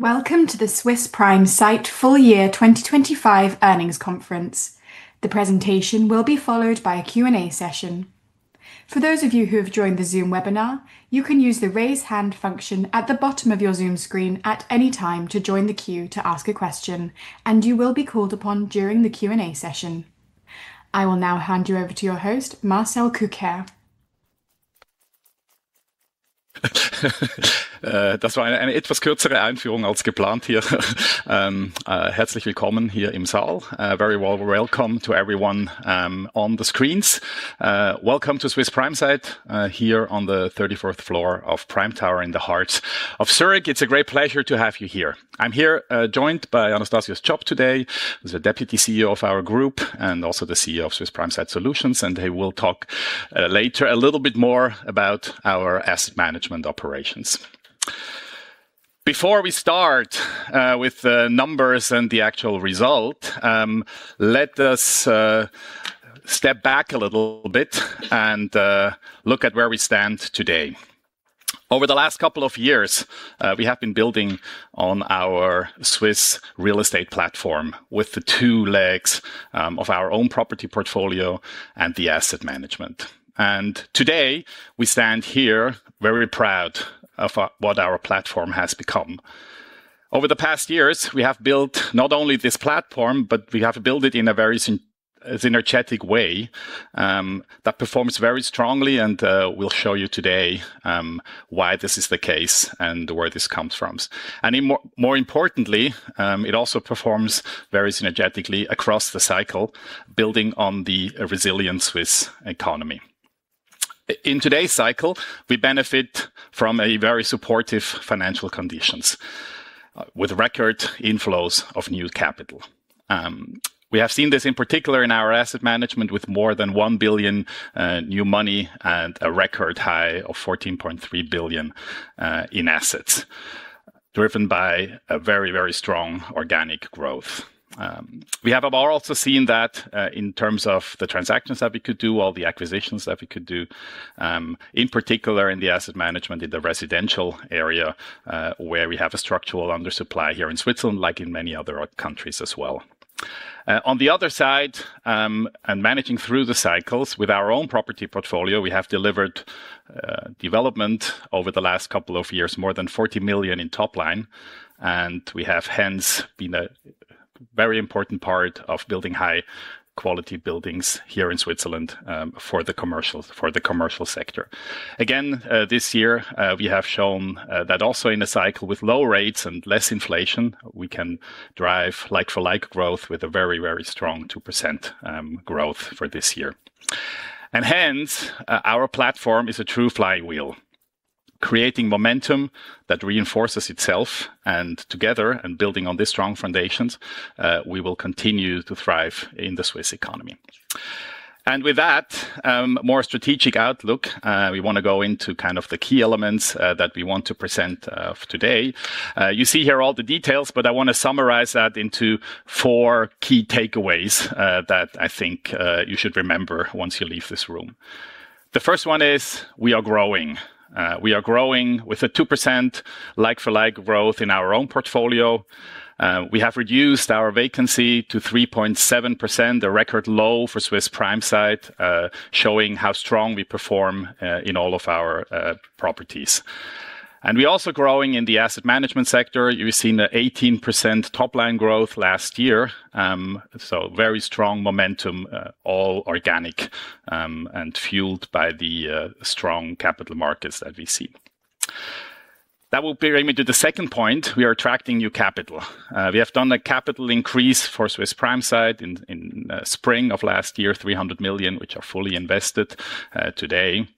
Welcome to the Swiss Prime Site Full Year 2025 Earnings Conference. The presentation will be followed by a Q&A session. For those of you who have joined the Zoom webinar, you can use the Raise Hand function at the bottom of your Zoom screen at any time to join the queue to ask a question, and you will be called upon during the Q&A session. I will now hand you over to your host, Marcel Kucher. That's why... Very warm welcome to everyone on the screens. Welcome to Swiss Prime Site here on the 34th floor of Prime Tower in the heart of Zurich. It's a great pleasure to have you here. I'm here joined by Anastasius Tschopp today, who's the Deputy CEO of our group and also the CEO of Swiss Prime Site Solutions, and he will talk later a little bit more about our asset management operations. Before we start with the numbers and the actual result, let us step back a little bit and look at where we stand today. Over the last couple of years, we have been building on our Swiss real estate platform with the two legs of our own property portfolio and the asset management. Today, we stand here very proud of what our platform has become. Over the past years, we have built not only this platform, but we have built it in a very synergetic way that performs very strongly, and we'll show you today why this is the case and where this comes from. More importantly, it also performs very synergetically across the cycle, building on the resilient Swiss economy. In today's cycle, we benefit from very supportive financial conditions, with record inflows of new capital. We have seen this in particular in our asset management, with more than 1 billion new money and a record high of 14.3 billion in assets, driven by a very, very strong organic growth. We have also seen that in terms of the transactions that we could do, all the acquisitions that we could do, in particular in the asset management, in the residential area, where we have a structural undersupply here in Switzerland, like in many other countries as well. On the other side, and managing through the cycles with our own property portfolio, we have delivered development over the last couple of years, more than 40 million in top line, and we have hence been a very important part of building high-quality buildings here in Switzerland for the commercial sector. Again, this year, we have shown that also in a cycle with low rates and less inflation, we can drive like-for-like growth with a very, very strong 2% growth for this year. And hence, our platform is a true flywheel, creating momentum that reinforces itself, and together and building on these strong foundations, we will continue to thrive in the Swiss economy. And with that, more strategic outlook, we want to go into kind of the key elements that we want to present today. You see here all the details, but I want to summarize that into four key takeaways that I think you should remember once you leave this room. The first one is we are growing. We are growing with a 2% like-for-like growth in our own portfolio. We have reduced our vacancy to 3.7%, a record low for Swiss Prime Site, showing how strong we perform in all of our properties. And we're also growing in the asset management sector. You've seen the 18% top-line growth last year. So very strong momentum, all organic, and fueled by the strong capital markets that we see. That will bring me to the second point: we are attracting new capital. We have done a capital increase for Swiss Prime Site in spring of last year, 300 million, which are fully invested today.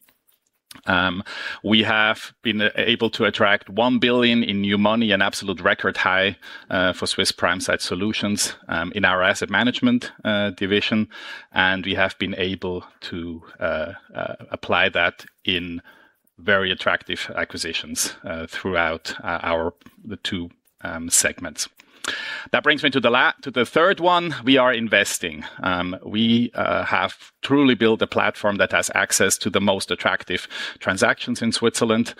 We have been able to attract 1 billion in new money, an absolute record high for Swiss Prime Site Solutions in our asset management division, and we have been able to apply that in very attractive acquisitions throughout the two segments. That brings me to the third one: we are investing. We have truly built a platform that has access to the most attractive transactions in Switzerland,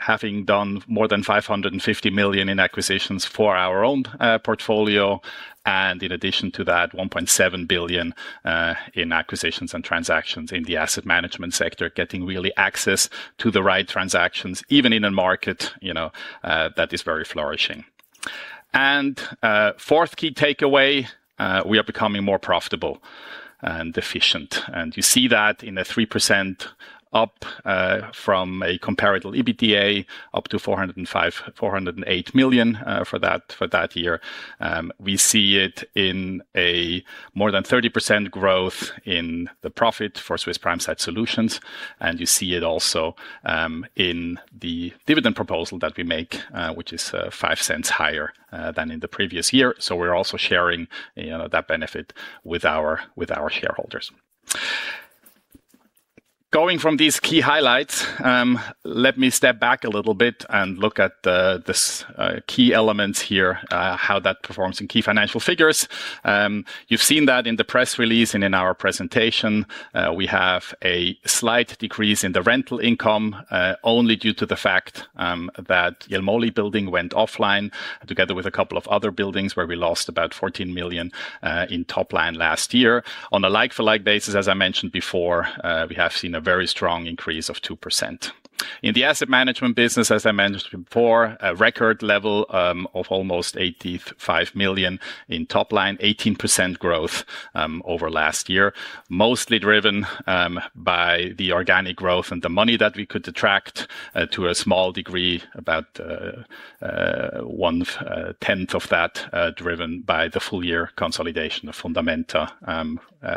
having done more than 550 million in acquisitions for our own portfolio, and in addition to that, 1.7 billion in acquisitions and transactions in the asset management sector, getting really access to the right transactions, even in a market, you know, that is very flourishing. And, fourth key takeaway, we are becoming more profitable and efficient, and you see that in a 3% up, from a comparable EBITDA, up to 405 million-408 million, for that, for that year. We see it in a more than 30% growth in the profit for Swiss Prime Site Solutions, and you see it also in the dividend proposal that we make, which is 0.05 higher than in the previous year. So we're also sharing, you know, that benefit with our shareholders... Going from these key highlights, let me step back a little bit and look at this key elements here, how that performs in key financial figures. You've seen that in the press release and in our presentation. We have a slight decrease in the rental income, only due to the fact that Jelmoli building went offline, together with a couple of other buildings, where we lost about 14 million in top line last year. On a like-for-like basis, as I mentioned before, we have seen a very strong increase of 2%. In the asset management business, as I mentioned before, a record level of almost 85 million in top line, 18% growth over last year. Mostly driven by the organic growth and the money that we could attract, to a small degree, about one tenth of that, driven by the full year consolidation of Fundamenta,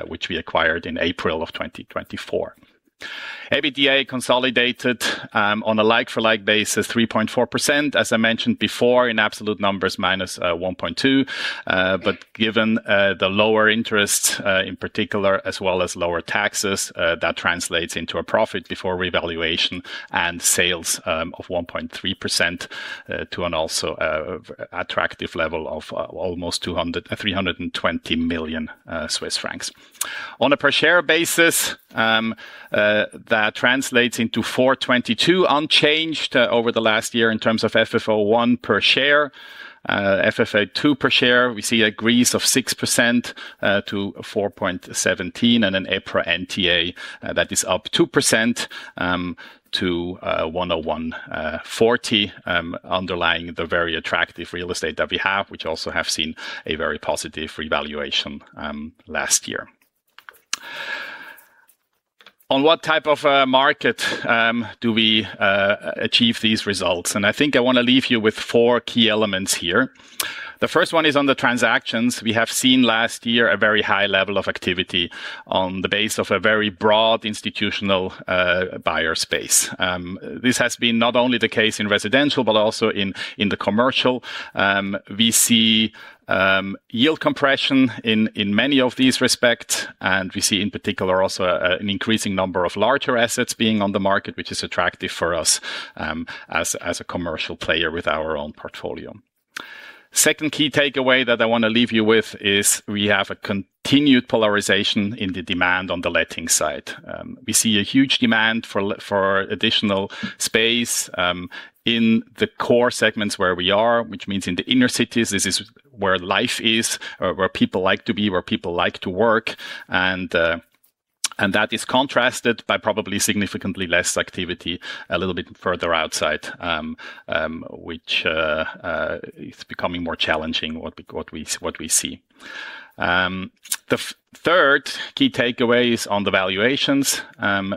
which we acquired in April of 2024. EBITDA consolidated, on a like-for-like basis, 3.4%. As I mentioned before, in absolute numbers, minus 1.2. But given the lower interest in particular, as well as lower taxes, that translates into a profit before revaluation and sales of 1.3% to an also attractive level of almost 320 million Swiss francs On a per share basis, that translates into 4.22, unchanged over the last year in terms of FFO I per share. FFO II per share, we see an increase of 6% to 4.17, and an EPRA NTA that is up 2% to 101.40. Underlying the very attractive real estate that we have, which also have seen a very positive revaluation last year. On what type of market do we achieve these results? I think I want to leave you with four key elements here. The first one is on the transactions. We have seen last year a very high level of activity on the base of a very broad institutional buyer space. This has been not only the case in residential, but also in the commercial. We see yield compression in many of these respects, and we see, in particular, also an increasing number of larger assets being on the market, which is attractive for us as a commercial player with our own portfolio. Second key takeaway that I want to leave you with is we have a continued polarization in the demand on the letting side. We see a huge demand for additional space in the core segments where we are, which means in the inner cities. This is where life is, where people like to be, where people like to work. That is contrasted by probably significantly less activity a little bit further outside, which is becoming more challenging, what we see. The third key takeaway is on the valuations.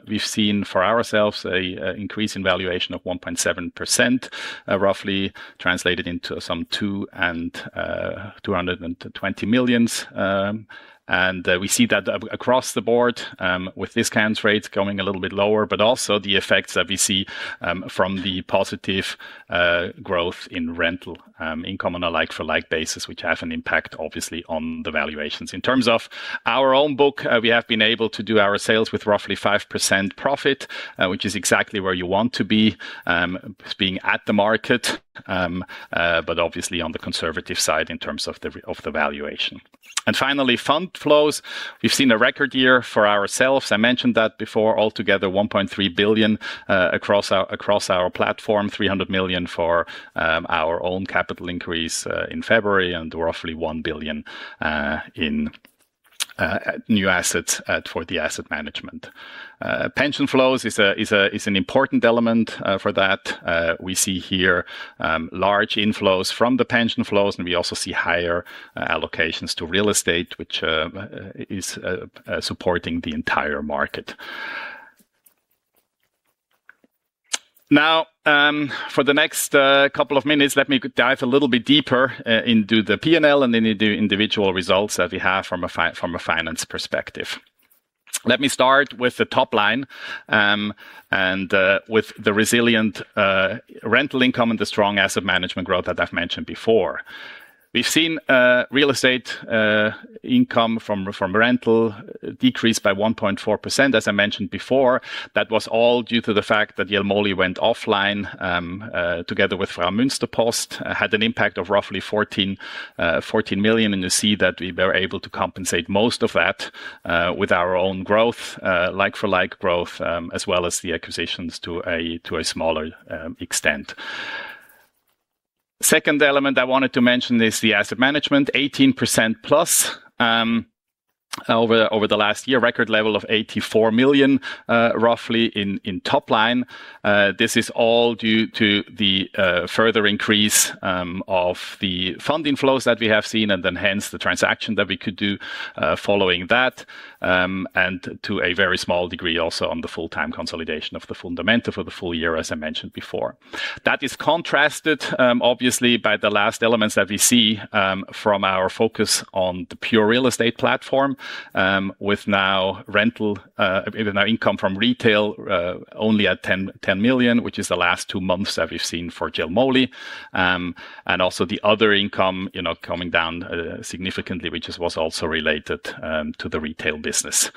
We've seen for ourselves an increase in valuation of 1.7%, roughly translated into some 220 million. And we see that across the board, with discount rates going a little bit lower, but also the effects that we see from the positive growth in rental income on a like-for-like basis, which have an impact, obviously, on the valuations. In terms of our own book, we have been able to do our sales with roughly 5% profit, which is exactly where you want to be, being at the market. But obviously on the conservative side in terms of the valuation. And finally, fund flows. We've seen a record year for ourselves. I mentioned that before. Altogether, 1.3 billion across our platform, 300 million for our own capital increase in February, and roughly 1 billion in new assets for the asset management. Pension flows is an important element for that. We see here large inflows from the pension flows, and we also see higher allocations to real estate, which is supporting the entire market. Now, for the next couple of minutes, let me dive a little bit deeper into the PNL and then into individual results that we have from a fi-- from a finance perspective. Let me start with the top line, and with the resilient rental income and the strong asset management growth that I've mentioned before. We've seen real estate income from rental decrease by 1.4%. As I mentioned before, that was all due to the fact that Jelmoli went offline, together with Fraumünsterpost, had an impact of roughly 14 million, and you see that we were able to compensate most of that with our own growth, like-for-like growth, as well as the acquisitions to a smaller extent. Second element I wanted to mention is the asset management. 18% plus over the last year. Record level of 84 million, roughly in top line. This is all due to the further increase of the funding flows that we have seen, and then hence, the transaction that we could do following that. And to a very small degree, also on the full year consolidation of the Fundamenta for the full year, as I mentioned before. That is contrasted, obviously, by the last elements that we see from our focus on the pure real estate platform with now rental now income from retail only at 10 million, which is the last two months that we've seen for Jelmoli. And also the other income, you know, coming down significantly, which was also related to the retail business.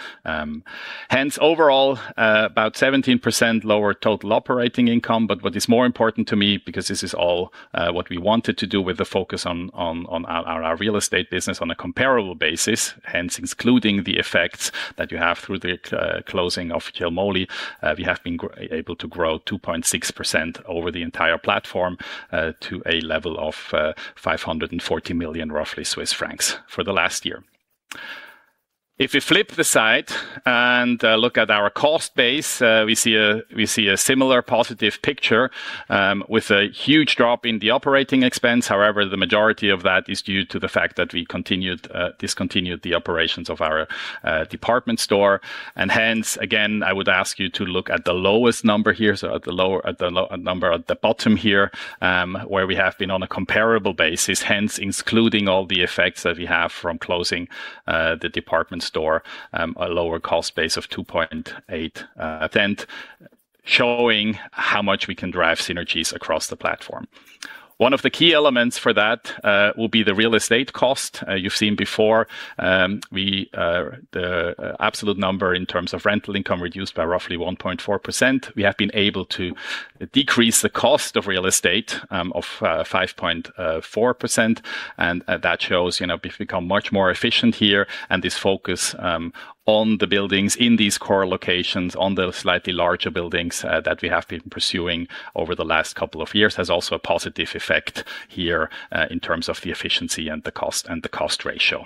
Hence, overall, about 17% lower total operating income. But what is more important to me, because this is all what we wanted to do with the focus on our real estate business on a comparable basis, hence, excluding the effects that you have through the closing of Jelmoli, we have been able to grow 2.6% over the entire platform to a level of, roughly, 540 million for the last year. If we flip the side and look at our cost base, we see a similar positive picture with a huge drop in the operating expense. However, the majority of that is due to the fact that we discontinued the operations of our department store. Hence, again, I would ask you to look at the lowest number here, so at the lower number at the bottom here, where we have been on a comparable basis. Hence, excluding all the effects that we have from closing the department store, a lower cost base of 2.8. Then showing how much we can drive synergies across the platform. One of the key elements for that will be the real estate cost. You've seen before, we the absolute number in terms of rental income reduced by roughly 1.4%. We have been able to decrease the cost of real estate of 5.4%, and that shows, you know, we've become much more efficient here. This focus on the buildings in these core locations, on the slightly larger buildings that we have been pursuing over the last couple of years, has also a positive effect here in terms of the efficiency and the cost, and the cost ratio.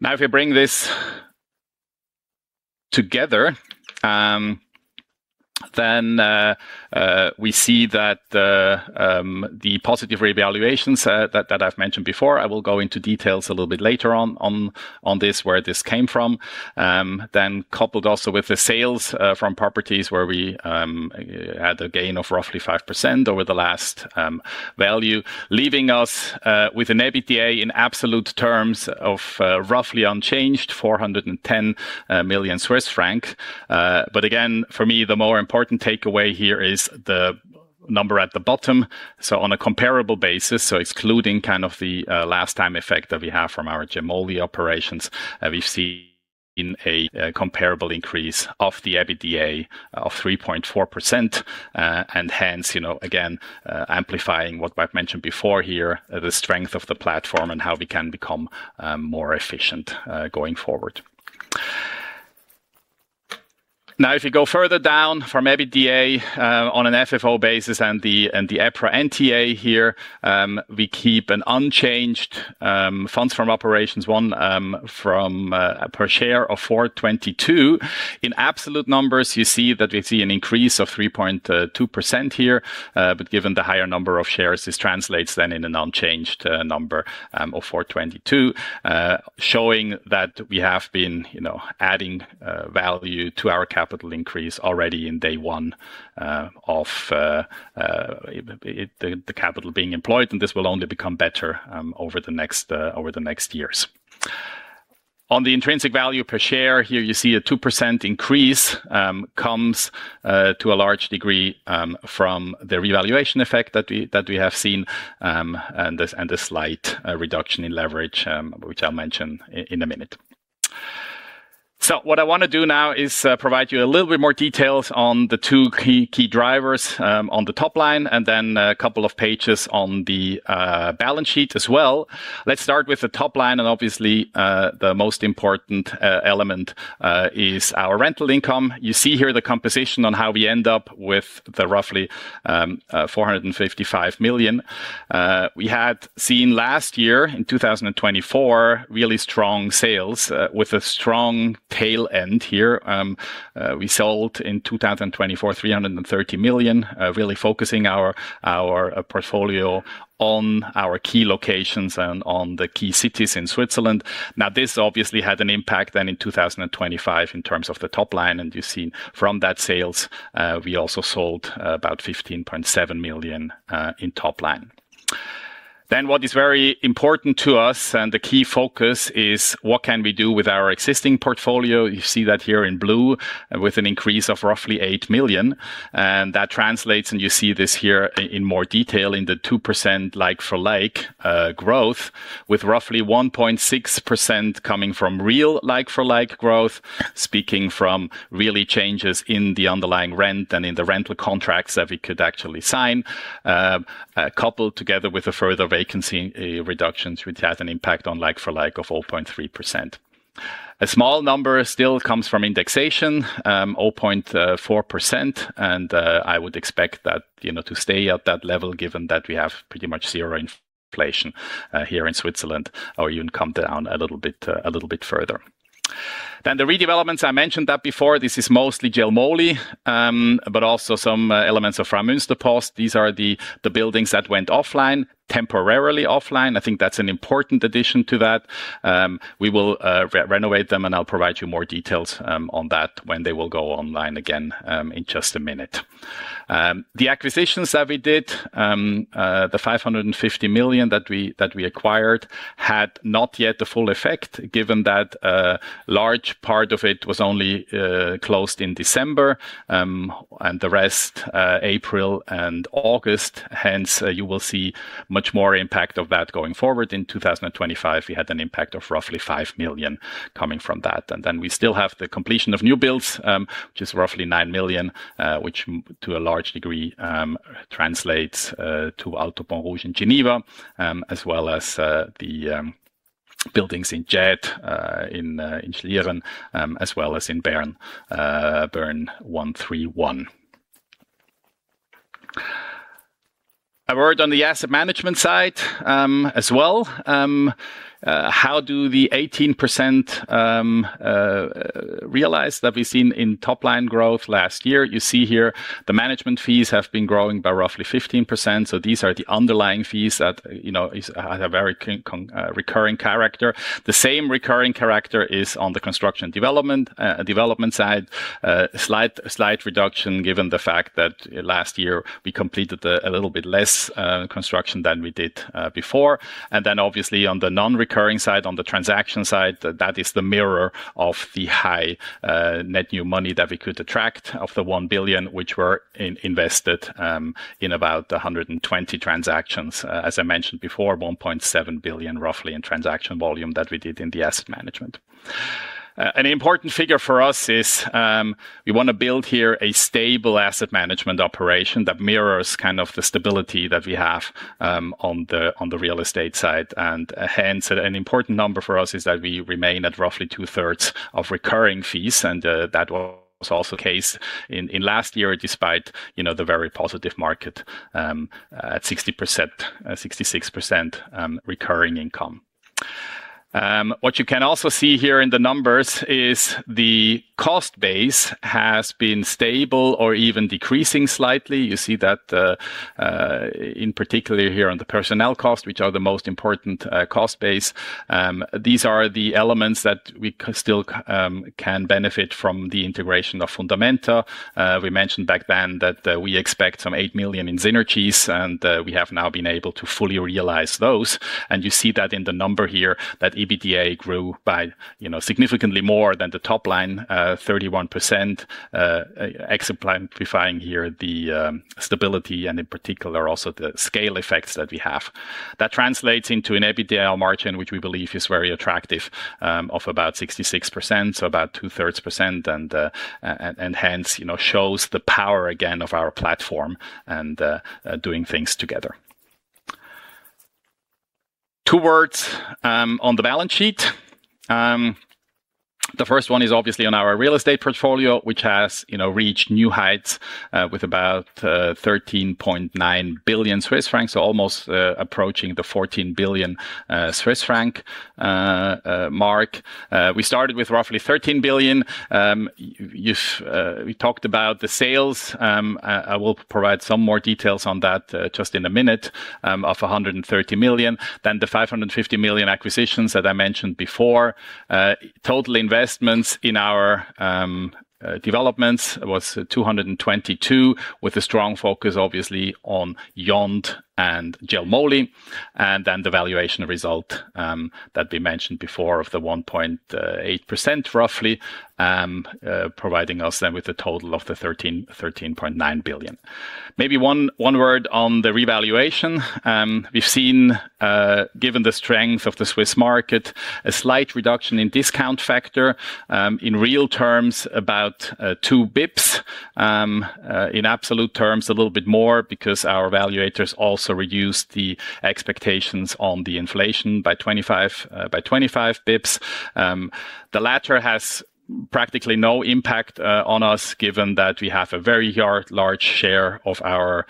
Now, if we bring this together, then we see that the positive revaluations that I've mentioned before, I will go into details a little bit later on, on this, where this came from. Then coupled also with the sales from properties where we had a gain of roughly 5% over the last value, leaving us with an EBITDA in absolute terms of roughly unchanged, 410 million Swiss franc. But again, for me, the more important takeaway here is the number at the bottom. So on a comparable basis, so excluding kind of the last time effect that we have from our Jelmoli operations, we've seen a comparable increase of the EBITDA of 3.4%. And hence, you know, again, amplifying what I've mentioned before here, the strength of the platform and how we can become more efficient going forward. Now, if you go further down from EBITDA, on an FFO basis and the EPRA NTA here, we keep an unchanged funds from operations one per share of 4.22. In absolute numbers, you see that we see an increase of 3.2% here, but given the higher number of shares, this translates then in an unchanged number of 4.22. Showing that we have been, you know, adding value to our capital increase already in day one of the capital being employed, and this will only become better over the next years. On the intrinsic value per share, here you see a 2% increase, comes to a large degree from the revaluation effect that we have seen, and the slight reduction in leverage, which I'll mention in a minute. So what I want to do now is provide you a little bit more details on the two key drivers on the top line, and then a couple of pages on the balance sheet as well. Let's start with the top line, and obviously, the most important element is our rental income. You see here the composition on how we end up with the roughly 455 million. We had seen last year, in 2024, really strong sales with a strong tail end here. We sold in 2024, 330 million, really focusing our portfolio on our key locations and on the key cities in Switzerland. Now, this obviously had an impact then in 2025 in terms of the top line, and you see from that sales, we also sold about 15.7 million in top line. Then, what is very important to us, and the key focus, is what can we do with our existing portfolio? You see that here in blue with an increase of roughly 8 million. And that translates, and you see this here in more detail in the 2% like-for-like growth, with roughly 1.6% coming from real like-for-like growth. Speaking from really changes in the underlying rent and in the rental contracts that we could actually sign. Coupled together with a further vacancy reductions, which has an impact on like-for-like of 0.3%. A small number still comes from indexation, 0.4%, and I would expect that, you know, to stay at that level, given that we have pretty much zero inflation here in Switzerland, or even come down a little bit, a little bit further. Then the redevelopments, I mentioned that before, this is mostly Jelmoli, but also some elements of Fraumünsterpost. These are the buildings that went offline, temporarily offline. I think that's an important addition to that. We will renovate them, and I'll provide you more details on that when they will go online again in just a minute. The acquisitions that we did, the 550 million that we acquired, had not yet the full effect, given that a large part of it was only closed in December, and the rest April and August. Hence, you will see much more impact of that going forward. In 2025, we had an impact of roughly 5 million coming from that. And then we still have the completion of new builds, which is roughly 9 million, which to a large degree translates to Alto Pont-Rouge in Geneva, as well as the buildings in JED in Schlieren, as well as in Bern, Bern 131. A word on the asset management side, as well. How do the 18% realize that we've seen in top-line growth last year? You see here, the management fees have been growing by roughly 15%. So these are the underlying fees that, you know, is, has a very constant recurring character. The same recurring character is on the construction development, development side. Slight, slight reduction, given the fact that last year we completed a little bit less construction than we did before. Then obviously on the non-recurring side, on the transaction side, that is the mirror of the high net new money that we could attract of the 1 billion, which were invested in about 120 transactions. As I mentioned before, roughly 1.7 billion in transaction volume that we did in the asset management. An important figure for us is we want to build here a stable asset management operation that mirrors kind of the stability that we have on the real estate side. Hence, an important number for us is that we remain at roughly two-thirds of recurring fees, and that was also the case in last year, despite you know the very positive market at 60%, 66% recurring income. What you can also see here in the numbers is the cost base has been stable or even decreasing slightly. You see that in particular here on the personnel cost, which are the most important cost base. These are the elements that we still can benefit from the integration of Fundamenta. We mentioned back then that we expect some 8 million in synergies, and we have now been able to fully realize those. You see that in the number here, that EBITDA grew by, you know, significantly more than the top line 31%, exemplifying here the stability and in particular, also the scale effects that we have. That translates into an EBITDA margin, which we believe is very attractive, of about 66%, so about two-thirds percent, and hence, you know, shows the power again of our platform and doing things together. Two words on the balance sheet. The first one is obviously on our real estate portfolio, which has, you know, reached new heights with about 13.9 billion Swiss francs, so almost approaching the 14 billion Swiss franc mark. We started with roughly 13 billion. We talked about the sales. I will provide some more details on that just in a minute, of 130 million. Then the 550 million acquisitions that I mentioned before. Total investments in our developments was 222, with a strong focus, obviously, on YOND and Jelmoli, and then the valuation result that we mentioned before of the 1.8%, roughly, providing us then with a total of the 13.9 billion. Maybe one word on the revaluation. We've seen, given the strength of the Swiss market, a slight reduction in discount factor, in real terms, about two basis points. In absolute terms, a little bit more because our evaluators also reduced the expectations on the inflation by 25 basis points. The latter has practically no impact on us, given that we have a very large share of our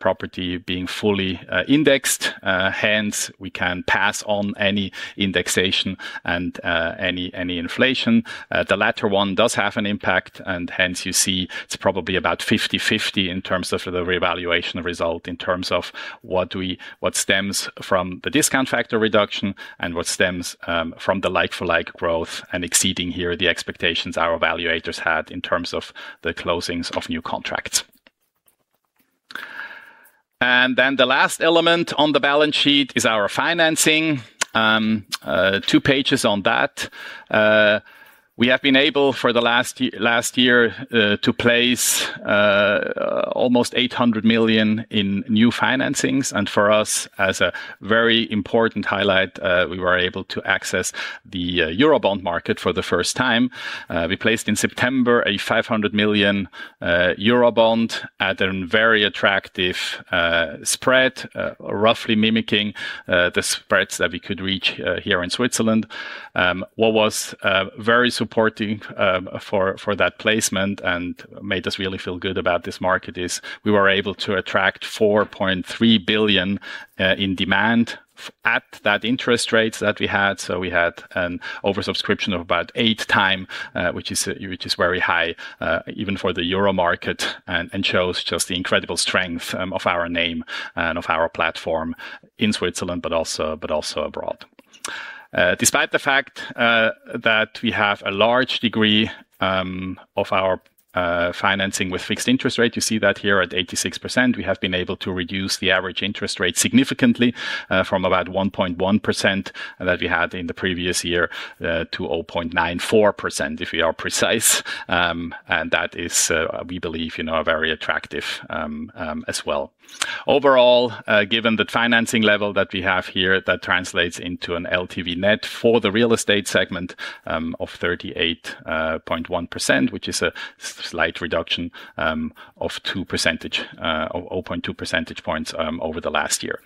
property being fully indexed. Hence, we can pass on any indexation and any inflation. The latter one does have an impact, and hence you see it's probably about 50/50 in terms of the revaluation result, in terms of what stems from the discount factor reduction and what stems from the like-for-like growth, and exceeding here the expectations our evaluators had in terms of the closings of new contracts. And then the last element on the balance sheet is our financing. Two pages on that. We have been able for the last year, last year, to place almost 800 million in new financings. And for us, as a very important highlight, we were able to access the Eurobond market for the first time. We placed in September a 500 million Eurobond at a very attractive spread, roughly mimicking the spreads that we could reach here in Switzerland. What was very supporting for that placement and made us really feel good about this market is we were able to attract 4.3 billion in demand at that interest rates that we had. So we had an oversubscription of about 8 times, which is very high, even for the euro market, and shows just the incredible strength of our name and of our platform in Switzerland, but also abroad. Despite the fact that we have a large degree of our financing with fixed interest rate, you see that here at 86%, we have been able to reduce the average interest rate significantly, from about 1.1% that we had in the previous year, to 0.94%, if we are precise. And that is, we believe, you know, very attractive, as well. Overall, given the financing level that we have here, that translates into an LTV net for the real estate segment, of 38.1%, which is a slight reduction, of 0.2 percentage points, over the last year.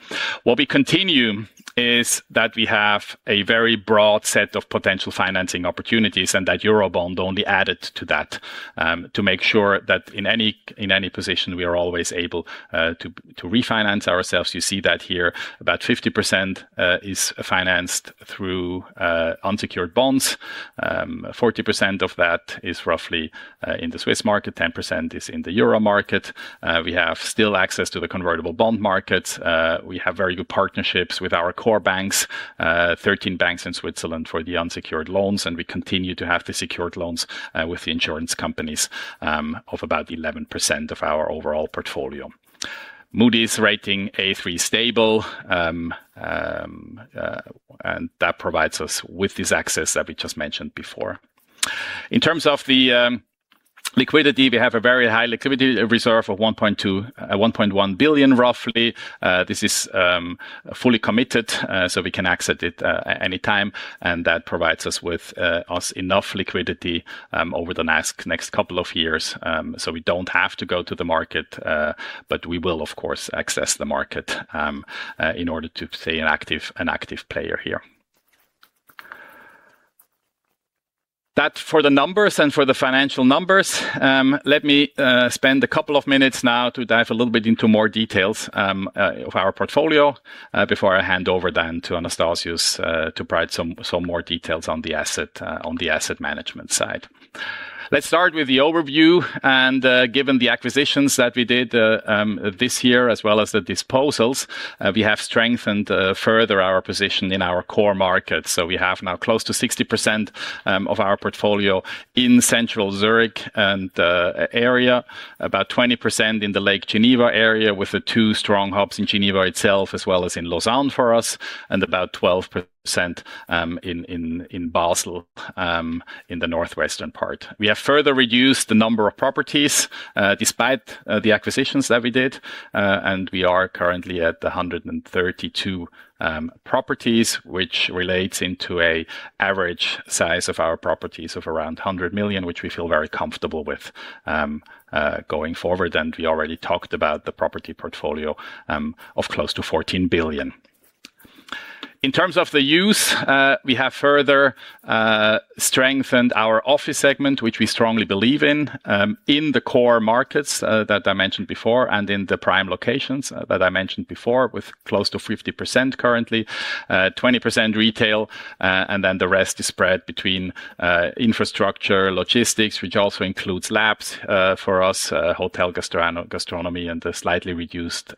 What we continue is that we have a very broad set of potential financing opportunities, and that Eurobond only added to that, to make sure that in any position, we are always able to refinance ourselves. You see that here, about 50% is financed through unsecured bonds. 40% of that is roughly in the Swiss market, 10% is in the Euro market. We still have access to the convertible bond markets. We have very good partnerships with our core banks, 13 banks in Switzerland for the unsecured loans, and we continue to have the secured loans with the insurance companies of about 11% of our overall portfolio. Moody's rating A3 stable, and that provides us with this access that we just mentioned before. In terms of the liquidity, we have a very high liquidity reserve of 1.1 billion, roughly. This is fully committed, so we can access it any time, and that provides us with enough liquidity over the next couple of years. So we don't have to go to the market, but we will, of course, access the market in order to stay an active player here. That for the numbers and for the financial numbers, let me spend a couple of minutes now to dive a little bit into more details of our portfolio before I hand over then to Anastasius to provide some more details on the asset management side. Let's start with the overview, and given the acquisitions that we did this year, as well as the disposals, we have strengthened further our position in our core market. So we have now close to 60% of our portfolio in central Zurich and area, about 20% in the Lake Geneva area, with the two strong hubs in Geneva itself, as well as in Lausanne for us, and about 12% in Basel in the northwestern part. We have further reduced the number of properties, despite the acquisitions that we did, and we are currently at 132 properties, which relates into an average size of our properties of around 100 million, which we feel very comfortable with, going forward. And we already talked about the property portfolio of close to 14 billion. In terms of the use, we have further strengthened our office segment, which we strongly believe in, in the core markets that I mentioned before, and in the prime locations that I mentioned before, with close to 50% currently, 20% retail, and then the rest is spread between infrastructure, logistics, which also includes labs for us, hotel, gastronomy, and a slightly reduced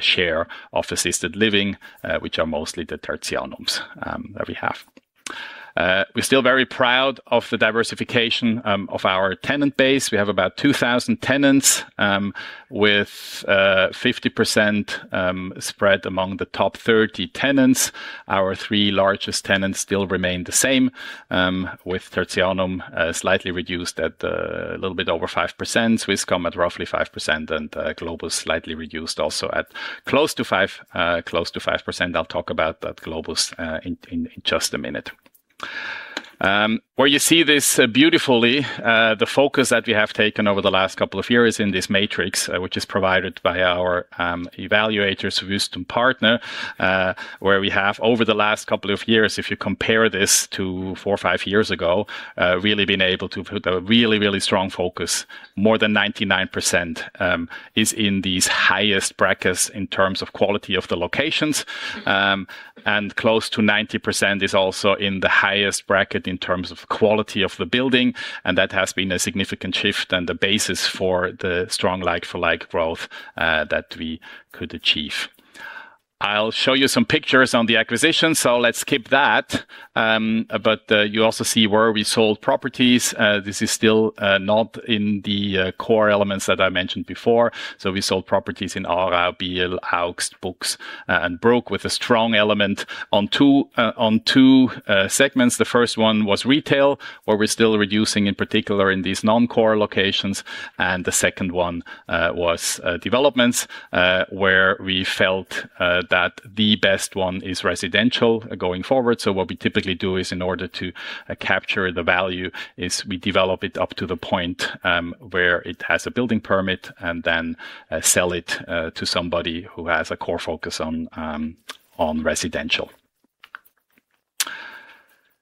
share of assisted living, which are mostly the Tertianum that we have. We're still very proud of the diversification of our tenant base. We have about 2,000 tenants, with 50% spread among the top 30 tenants. Our three largest tenants still remain the same, with Tertianum, slightly reduced at a little bit over 5%, Swisscom at roughly 5%, and Globus slightly reduced also at close to five, close to 5%. I'll talk about that Globus in just a minute. Where you see this beautifully, the focus that we have taken over the last couple of years in this matrix, which is provided by our evaluators, Wüest Partner, where we have over the last couple of years, if you compare this to four or five years ago, really been able to put a really, really strong focus. More than 99% is in these highest brackets in terms of quality of the locations. And close to 90% is also in the highest bracket in terms of quality of the building, and that has been a significant shift and the basis for the strong like-for-like growth that we could achieve. I'll show you some pictures on the acquisition, so let's skip that. But you also see where we sold properties. This is still not in the core elements that I mentioned before. So we sold properties in Aarau, Biel, Augst, Buchs, and Brugg, with a strong element on 2 segments. The first one was retail, where we're still reducing, in particular, in these non-core locations. And the second one was developments, where we felt that the best one is residential going forward. So what we typically do is, in order to capture the value, is we develop it up to the point where it has a building permit, and then sell it to somebody who has a core focus on on residential.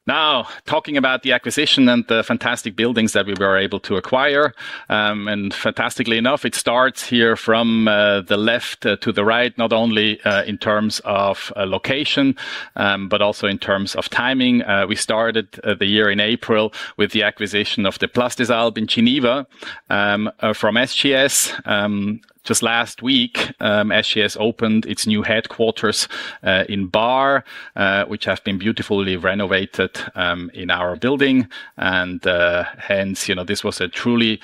Now, talking about the acquisition and the fantastic buildings that we were able to acquire, and fantastically enough, it starts here from the left to the right, not only in terms of location but also in terms of timing. We started the year in April with the acquisition of the Place des Alpes in Geneva for SPS. Just last week, SPS opened its new headquarters in Baar, which have been beautifully renovated in our building. And hence, you know, this was a truly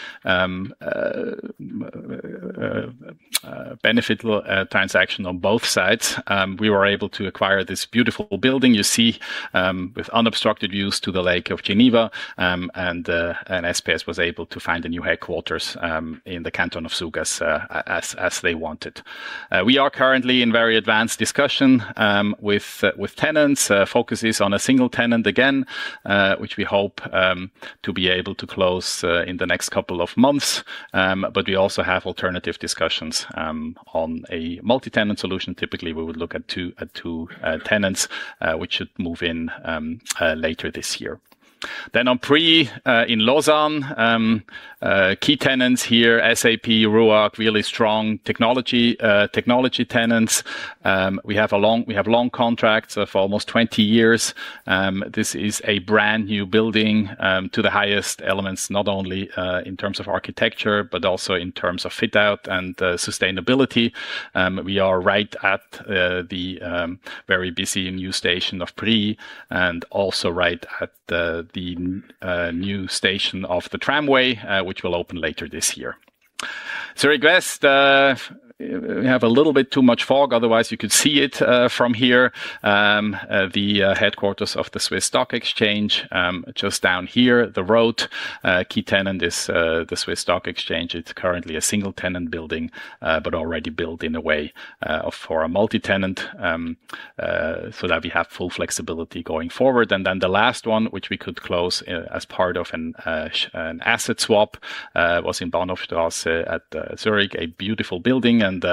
beneficial transaction on both sides. We were able to acquire this beautiful building you see, with unobstructed views to the Lake Geneva, and SPS was able to find a new headquarters, in the Canton of Zug as they wanted. We are currently in very advanced discussion, with tenants. Focus is on a single tenant again, which we hope to be able to close, in the next couple of months. But we also have alternative discussions, on a multi-tenant solution. Typically, we would look at two tenants, which should move in later this year. Then on Prilly, in Lausanne, key tenants here, SAP, RUAG, really strong technology tenants. We have long contracts of almost 20 years. This is a brand-new building to the highest elements, not only in terms of architecture, but also in terms of fit out and sustainability. We are right at the very busy new station of Prilly, and also right at the new station of the tramway, which will open later this year. Zurich West, we have a little bit too much fog, otherwise you could see it from here. The headquarters of the SIX Swiss Exchange just down here, the road, key tenant is the SIX Swiss Exchange. It's currently a single tenant building, but already built in a way for a multi-tenant, so that we have full flexibility going forward. And then the last one, which we could close, as part of an asset swap, was in Bahnhofstrasse at Zurich, a beautiful building, and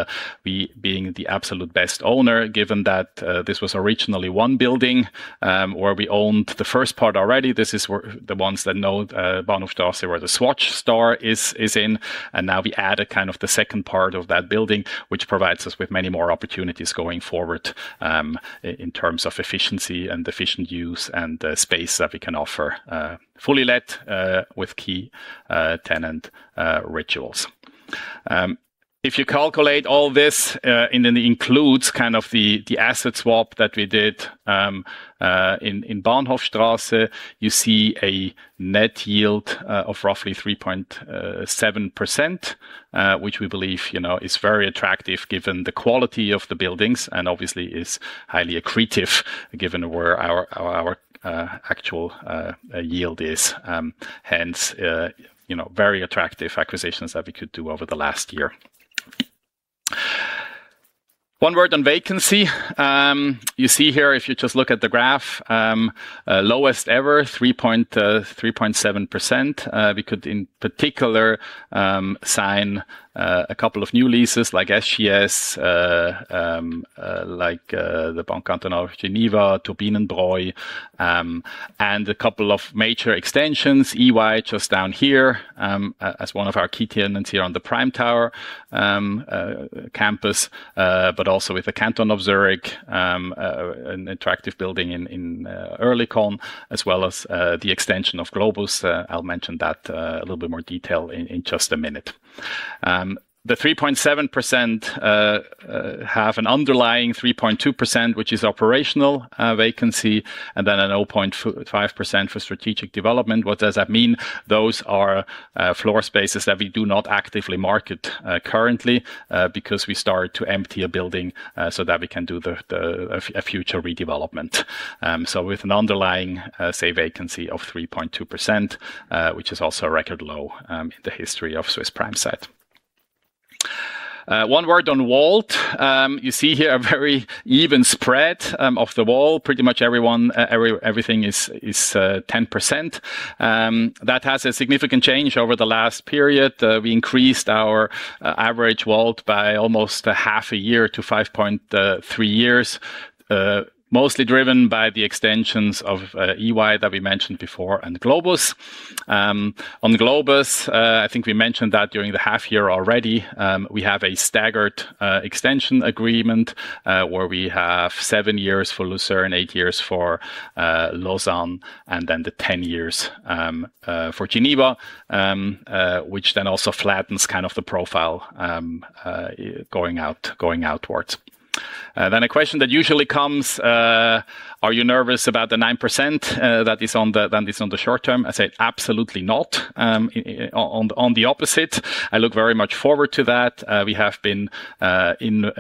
we being the absolute best owner, given that this was originally one building, where we owned the first part already. This is where the ones that know Bahnhofstrasse, where the Swatch store is, is in, and now we add a kind of the second part of that building, which provides us with many more opportunities going forward, in terms of efficiency and efficient use, and space that we can offer, fully let, with key tenant Rituals. If you calculate all this, and then includes kind of the asset swap that we did in Bahnhofstrasse, you see a net yield of roughly 3.7%, which we believe, you know, is very attractive, given the quality of the buildings, and obviously is highly accretive, given where our actual yield is. Hence, you know, very attractive acquisitions that we could do over the last year. One word on vacancy. You see here, if you just look at the graph, lowest ever, 3.37%. We could, in particular, sign a couple of new leases like SPS, like the Banque Cantonale de Genève, Turbinenbräu, and a couple of major extensions, EY, just down here, as one of our key tenants here on the Prime Tower campus, but also with the Canton of Zurich, an attractive building in Oerlikon, as well as the extension of Globus. I'll mention that a little bit more detail in just a minute. The 3.7% have an underlying 3.2%, which is operational vacancy, and then a 0.5% for strategic development. What does that mean? Those are floor spaces that we do not actively market currently because we start to empty a building so that we can do a future redevelopment. So with an underlying say vacancy of 3.2%, which is also a record low in the history of Swiss Prime Site. One word on WALT. You see here a very even spread of the WALT. Pretty much everything is 10%. That has a significant change over the last period. We increased our average WALT by almost half a year to 5.3 years mostly driven by the extensions of EY that we mentioned before, and Globus. On Globus, I think we mentioned that during the half year already, we have a staggered extension agreement, where we have 7 years for Lucerne, 8 years for Lausanne, and then the 10 years for Geneva, which then also flattens kind of the profile going out, going outwards. Then a question that usually comes: Are you nervous about the 9% that is on the short term? I say, "Absolutely not." On the opposite, I look very much forward to that. We have been in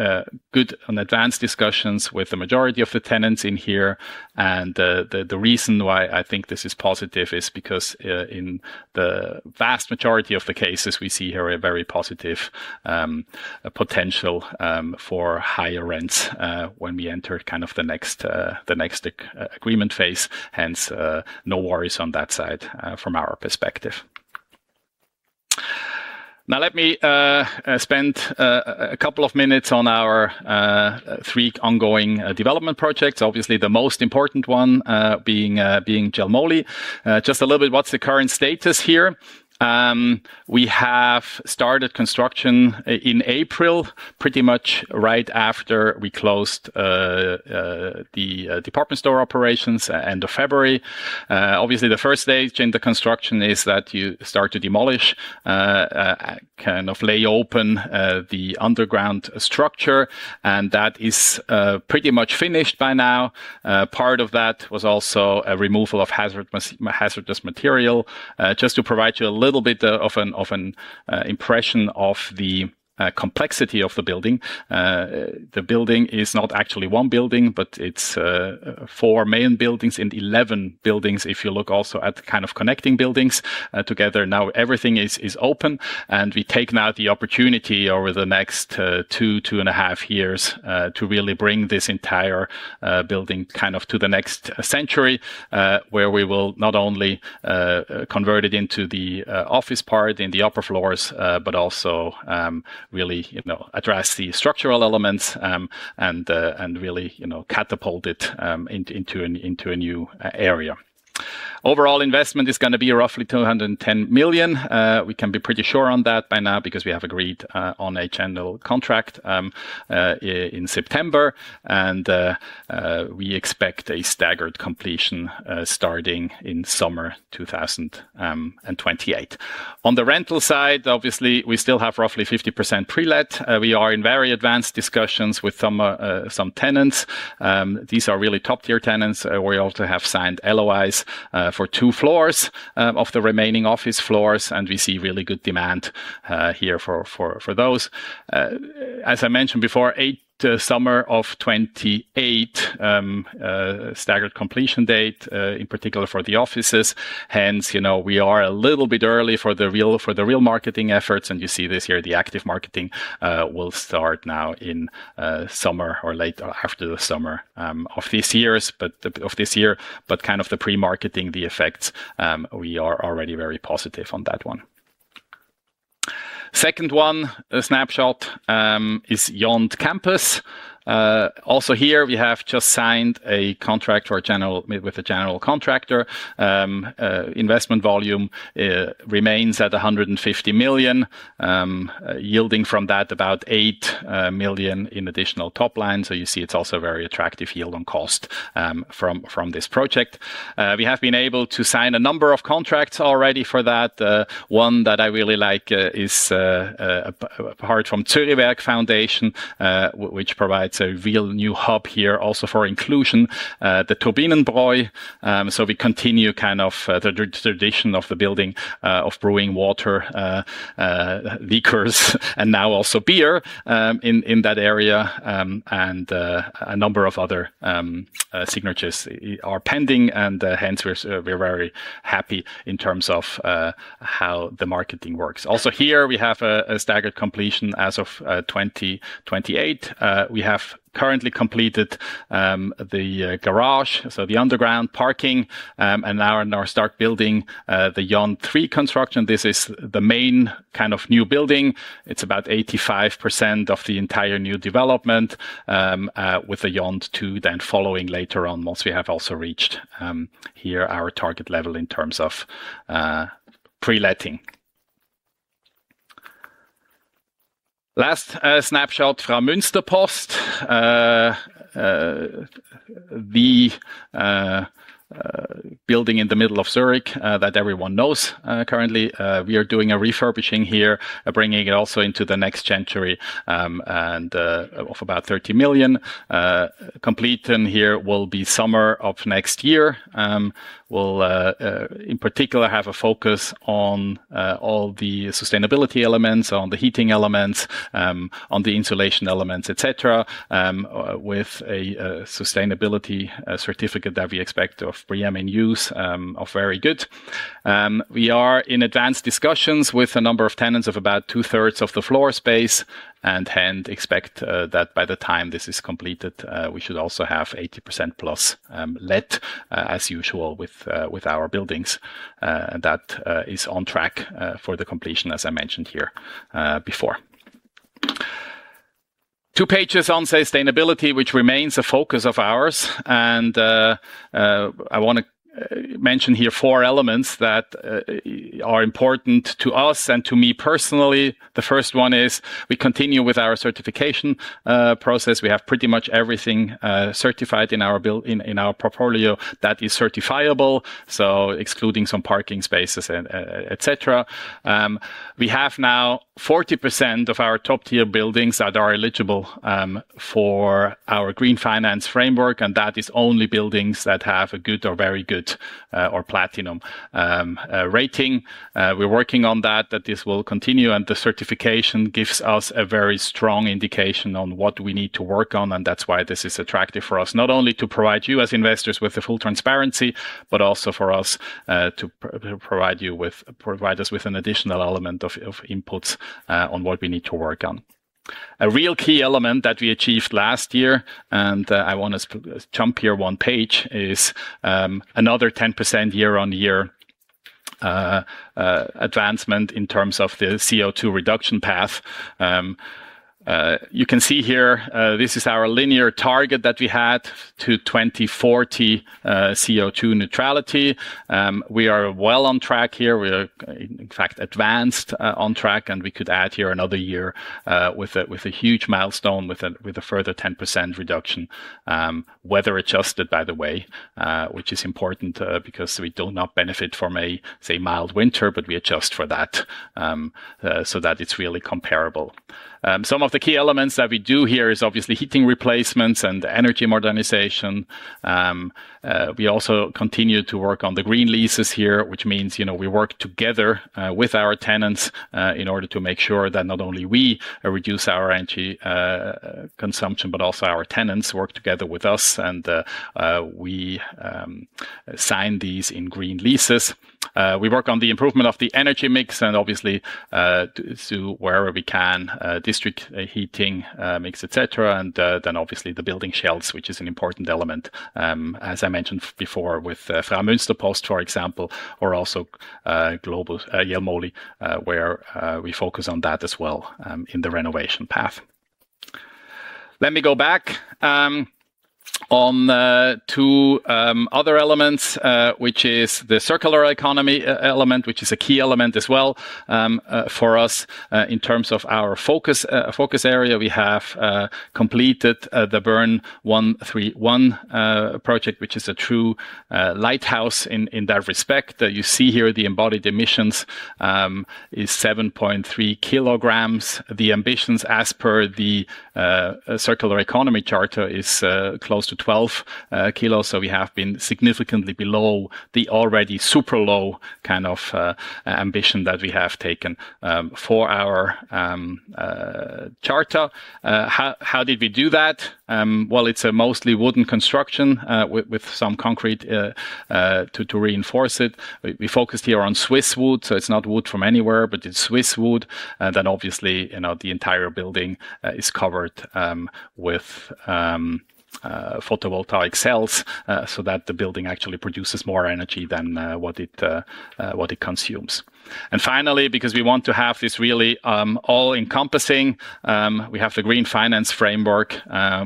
good and advanced discussions with the majority of the tenants in here. The reason why I think this is positive is because in the vast majority of the cases, we see here a very positive potential for higher rents when we enter kind of the next agreement phase. Hence, no worries on that side from our perspective. Now, let me spend a couple of minutes on our three ongoing development projects. Obviously, the most important one being Jelmoli. Just a little bit, what's the current status here? We have started construction in April, pretty much right after we closed the department store operations, end of February. Obviously, the first stage in the construction is that you start to demolish, kind of lay open, the underground structure, and that is pretty much finished by now. Part of that was also a removal of hazardous material. Just to provide you a little bit of an impression of the complexity of the building. The building is not actually one building, but it's four main buildings and 11 buildings, if you look also at the kind of connecting buildings, together. Now, everything is open, and we take now the opportunity over the next two and a half years to really bring this entire building kind of to the next century, where we will not only convert it into the office part in the upper floors, but also really, you know, address the structural elements, and really, you know, catapult it into a new area. Overall investment is going to be roughly 210 million. We can be pretty sure on that by now because we have agreed on a general contract in September, and we expect a staggered completion starting in summer 2028. On the rental side, obviously, we still have roughly 50% pre-let. We are in very advanced discussions with some tenants. These are really top-tier tenants. We also have signed LOIs for 2 floors of the remaining office floors, and we see really good demand here for those. As I mentioned before, late summer of 2028 staggered completion date, in particular for the offices. Hence, you know, we are a little bit early for the real marketing efforts, and you see this here, the active marketing will start now in summer or later after the summer of this year. But kind of the pre-marketing, the effects, we are already very positive on that one. Second one, a snapshot, is YOND Campus. Also here, we have just signed a contract with a general contractor. Investment volume remains at 150 million, yielding from that about 8 million in additional top line. So you see it's also a very attractive yield on cost from this project. We have been able to sign a number of contracts already for that. One that I really like is a partner from Stiftung Züriwerk, which provides a real new hub here also for inclusion, the Turbinenbräu. So we continue kind of the tradition of the building of brewing water, liquors, and now also beer in that area. And a number of other signatures are pending, and hence we're very happy in terms of how the marketing works. Also here, we have a staggered completion as of 2028. We have currently completed the garage, so the underground parking, and now start building the YOND Three construction. This is the main kind of new building. It's about 85% of the entire new development, with the YOND Two then following later on, once we have also reached here our target level in terms of pre-letting. Last snapshot, Fraumünsterpost. The building in the middle of Zurich that everyone knows currently. We are doing a refurbishing here, bringing it also into the next century, and of about 30 million. Completion here will be in summer of next year. We'll, in particular, have a focus on all the sustainability elements, on the heating elements, on the insulation elements, et cetera, with a sustainability certificate that we expect of BREEAM In-Use of Very Good. We are in advanced discussions with a number of tenants of about 2/3 of the floor space, and hence expect that by the time this is completed, we should also have 80% plus, as usual, with our buildings. That is on track for the completion, as I mentioned here before. Two pages on sustainability, which remains a focus of ours, and I want to mention here four elements that are important to us and to me personally. The first one is, we continue with our certification process. We have pretty much everything certified in our buildings in our portfolio that is certifiable, so excluding some parking spaces and, et cetera. We have now 40% of our top-tier buildings that are eligible for our Green Finance Framework, and that is only buildings that have a Good or Very Good or Platinum rating. We're working on that, that this will continue, and the certification gives us a very strong indication on what we need to work on, and that's why this is attractive for us. Not only to provide you as investors with the full transparency, but also for us to provide us with an additional element of inputs on what we need to work on. A real key element that we achieved last year, and I want to jump here one page, is another 10% year-on-year advancement in terms of the CO₂ reduction path. You can see here, this is our linear target that we had to 2040, CO₂ neutrality. We are well on track here. We are, in fact, advanced on track, and we could add here another year with a huge milestone, with a further 10% reduction. Weather adjusted, by the way, which is important, because we do not benefit from a, say, mild winter, but we adjust for that, so that it's really comparable. Some of the key elements that we do here is obviously heating replacements and energy modernization. We also continue to work on the green leases here, which means, you know, we work together with our tenants in order to make sure that not only we reduce our energy consumption, but also our tenants work together with us, and we sign these in green leases. We work on the improvement of the energy mix, and obviously, to wherever we can, district heating mix, et cetera. And then obviously, the building shells, which is an important element, as I mentioned before, with Fraumünsterpost, for example, or also Globus Jelmoli, where we focus on that as well, in the renovation path. Let me go back on two other elements, which is the circular economy element, which is a key element as well, for us. In terms of our focus area, we have completed the BERN 131 project, which is a true lighthouse in that respect. You see here the embodied emissions is 7.3 kilograms. The ambitions as per the Circular Economy Charter is close to 12 kilos. So we have been significantly below the already super low kind of ambition that we have taken for our charter. How did we do that? Well, it's a mostly wooden construction with some concrete to reinforce it. We focused here on Swiss wood, so it's not wood from anywhere, but it's Swiss wood. And then obviously, you know, the entire building is covered with photovoltaic cells, so that the building actually produces more energy than what it consumes. And finally, because we want to have this really all-encompassing, we have the Green Finance Framework,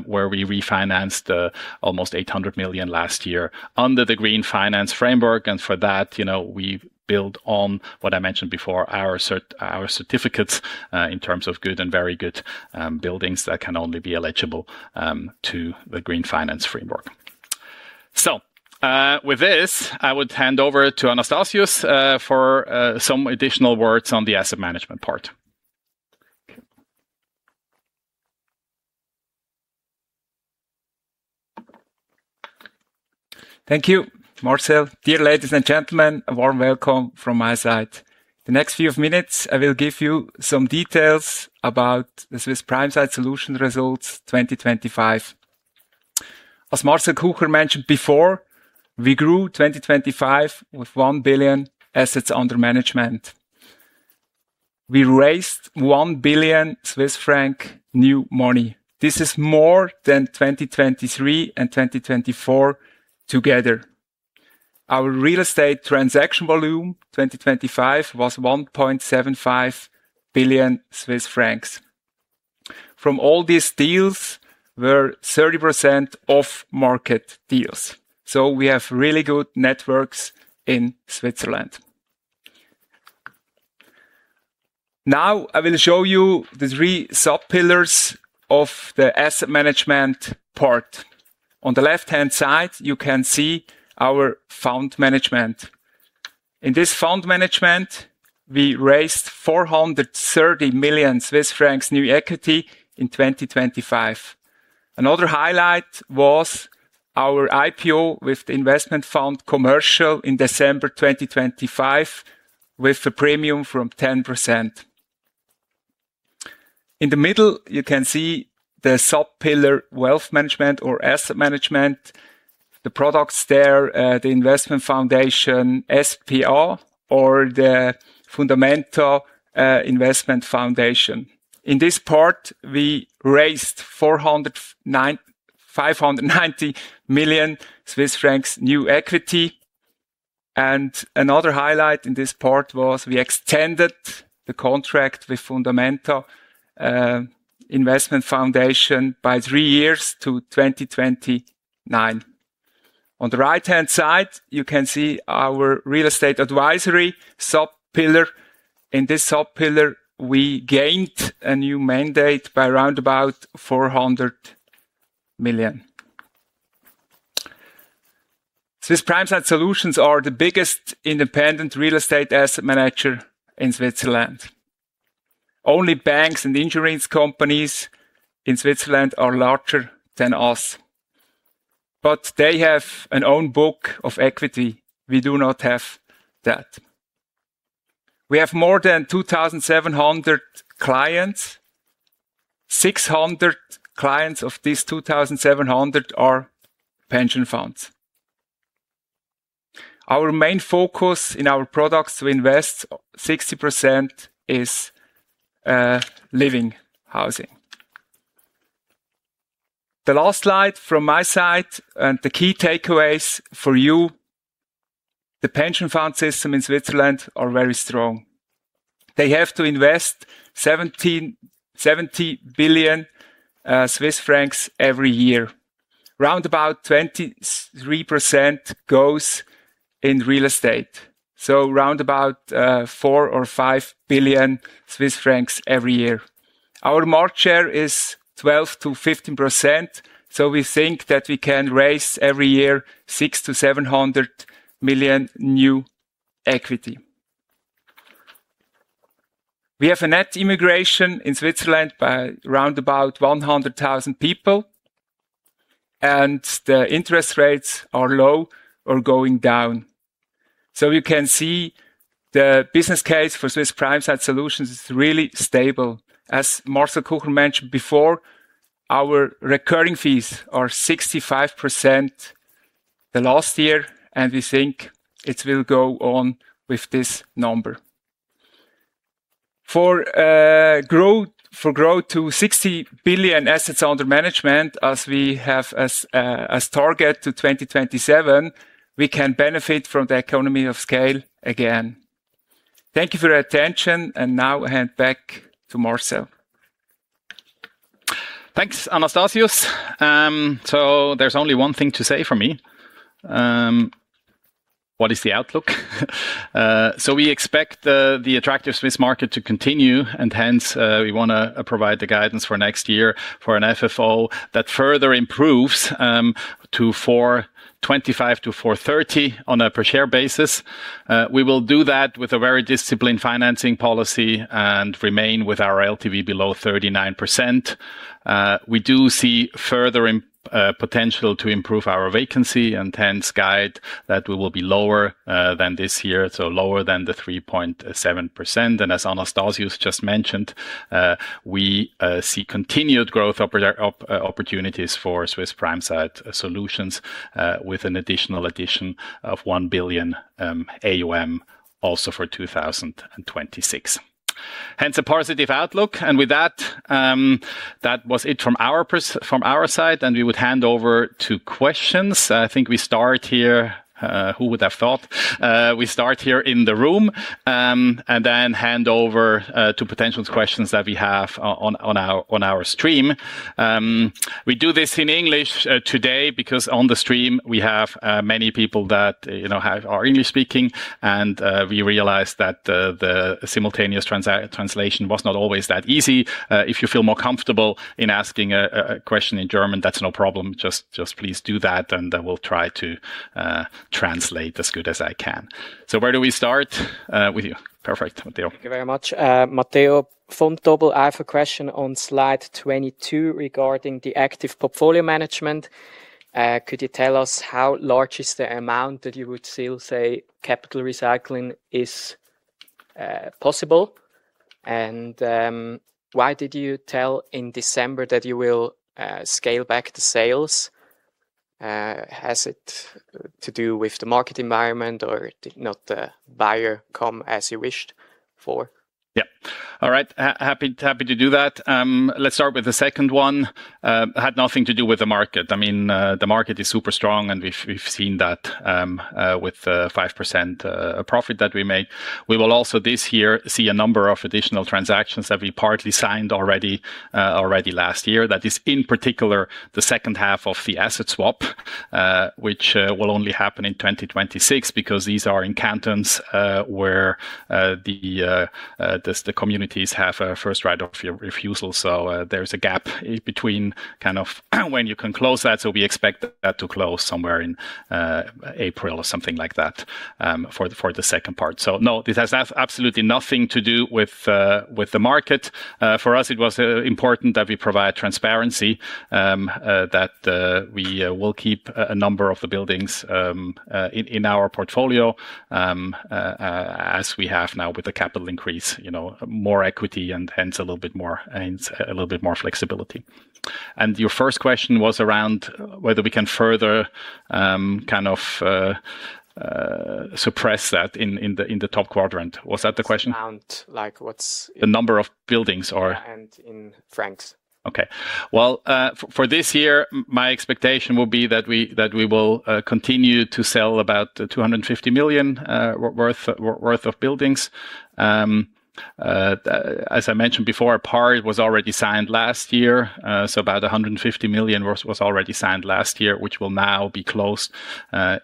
where we refinanced almost 800 million last year under the Green Finance Framework. And for that, you know, we build on what I mentioned before, our certificates in terms of Good and Very Good buildings that can only be eligible to the Green Finance Framework. So, with this, I would hand over to Anastasius for some additional words on the asset management part. Thank you, Marcel. Dear ladies and gentlemen, a warm welcome from my side. The next few minutes, I will give you some details about the Swiss Prime Site Solutions results 2025. As Marcel Kucher mentioned before, we grew 2025 with 1 billion assets under management. We raised 1 billion Swiss franc new money. This is more than 2023 and 2024 together. Our real estate transaction volume, 2025, was 1.75 billion Swiss francs. From all these deals were 30% off-market deals, so we have really good networks in Switzerland. Now I will show you the three sub-pillars of the asset management part. On the left-hand side, you can see our fund management. In this fund management, we raised 430 million Swiss francs new equity in 2025. Another highlight was our IPO with the Investment Fund Commercial in December 2025, with a premium from 10%. In the middle, you can see the sub-pillar wealth management or asset management. The products there, the Investment Foundation, SPA, or the Fundamenta Investment Foundation. In this part, we raised 495 million Swiss francs new equity. Another highlight in this part was we extended the contract with Fundamenta Investment Foundation by three years to 2029. On the right-hand side, you can see our real estate advisory sub-pillar. In this sub-pillar, we gained a new mandate by around about 400 million. Swiss Prime Site Solutions are the biggest independent real estate asset manager in Switzerland. Only banks and insurance companies in Switzerland are larger than us, but they have an own book of equity. We do not have that. We have more than 2,700 clients. 600 clients of these 2,700 are pension funds. Our main focus in our products to invest, 60% is living housing. The last slide from my side, and the key takeaways for you. The pension fund system in Switzerland are very strong. They have to invest 170 billion Swiss francs every year. Round about 23% goes in real estate, so round about 4 billion or 5 billion Swiss francs every year. Our market share is 12%-15%, so we think that we can raise every year 600 million-700 million new equity. We have a net immigration in Switzerland by around about 100,000 people, and the interest rates are low or going down. So you can see the business case for Swiss Prime Site Solutions is really stable. As Marcel Kucher mentioned before, our recurring fees are 65% the last year, and we think it will go on with this number. For, growth, for growth to 60 billion assets under management, as we have as, as target to 2027, we can benefit from the economy of scale again. Thank you for your attention, and now I hand back to Marcel. Thanks, Anastasius. So there's only one thing to say for me, what is the outlook? So we expect the attractive Swiss market to continue, and hence, we wanna provide the guidance for next year for an FFO that further improves to 4.25-4.30 on a per share basis. We will do that with a very disciplined financing policy and remain with our LTV below 39%. We do see further potential to improve our vacancy, and hence guide that we will be lower than this year, so lower than the 3.7%. And as Anastasius just mentioned, we see continued growth opportunities for Swiss Prime Site Solutions, with an additional addition of 1 billion AUM, also for 2026. Hence, a positive outlook. And with that, that was it from our side, and we would hand over to questions. I think we start here. Who would have thought? We start here in the room, and then hand over to potential questions that we have on our stream. We do this in English today, because on the stream, we have many people that, you know, are English speaking, and we realized that the simultaneous translation was not always that easy. If you feel more comfortable in asking a question in German, that's no problem. Just please do that, and I will try to translate as good as I can. So where do we start? With you. Perfect, Matteo. Thank you very much. Matteo Dobi. I have a question on slide 22 regarding the active portfolio management. Could you tell us how large is the amount that you would still say capital recycling is possible? Why did you tell in December that you will scale back the sales? Has it to do with the market environment or did not the buyer come as you wished for? Yeah. All right. Happy to do that. Let's start with the second one. Had nothing to do with the market. I mean, the market is super strong, and we've seen that with 5% profit that we made. We will also, this year, see a number of additional transactions that we partly signed already last year. That is, in particular, the second half of the asset swap, which will only happen in 2026, because these are in cantons where the communities have a first right of refusal. So, there's a gap between kind of when you can close that. So we expect that to close somewhere in April or something like that, for the second part. So no, this has absolutely nothing to do with the market. For us, it was important that we provide transparency, that we will keep a number of the buildings in our portfolio, as we have now with the capital increase, you know, more equity and hence, a little bit more, and a little bit more flexibility. And your first question was around whether we can further kind of suppress that in the top quadrant. Was that the question? Amount, like what's- The number of buildings or? Yeah, and in francs. Okay. Well, for this year, my expectation will be that we, that we will, continue to sell about 250 million worth of buildings. As I mentioned before, a part was already signed last year, so about 150 million was already signed last year, which will now be closed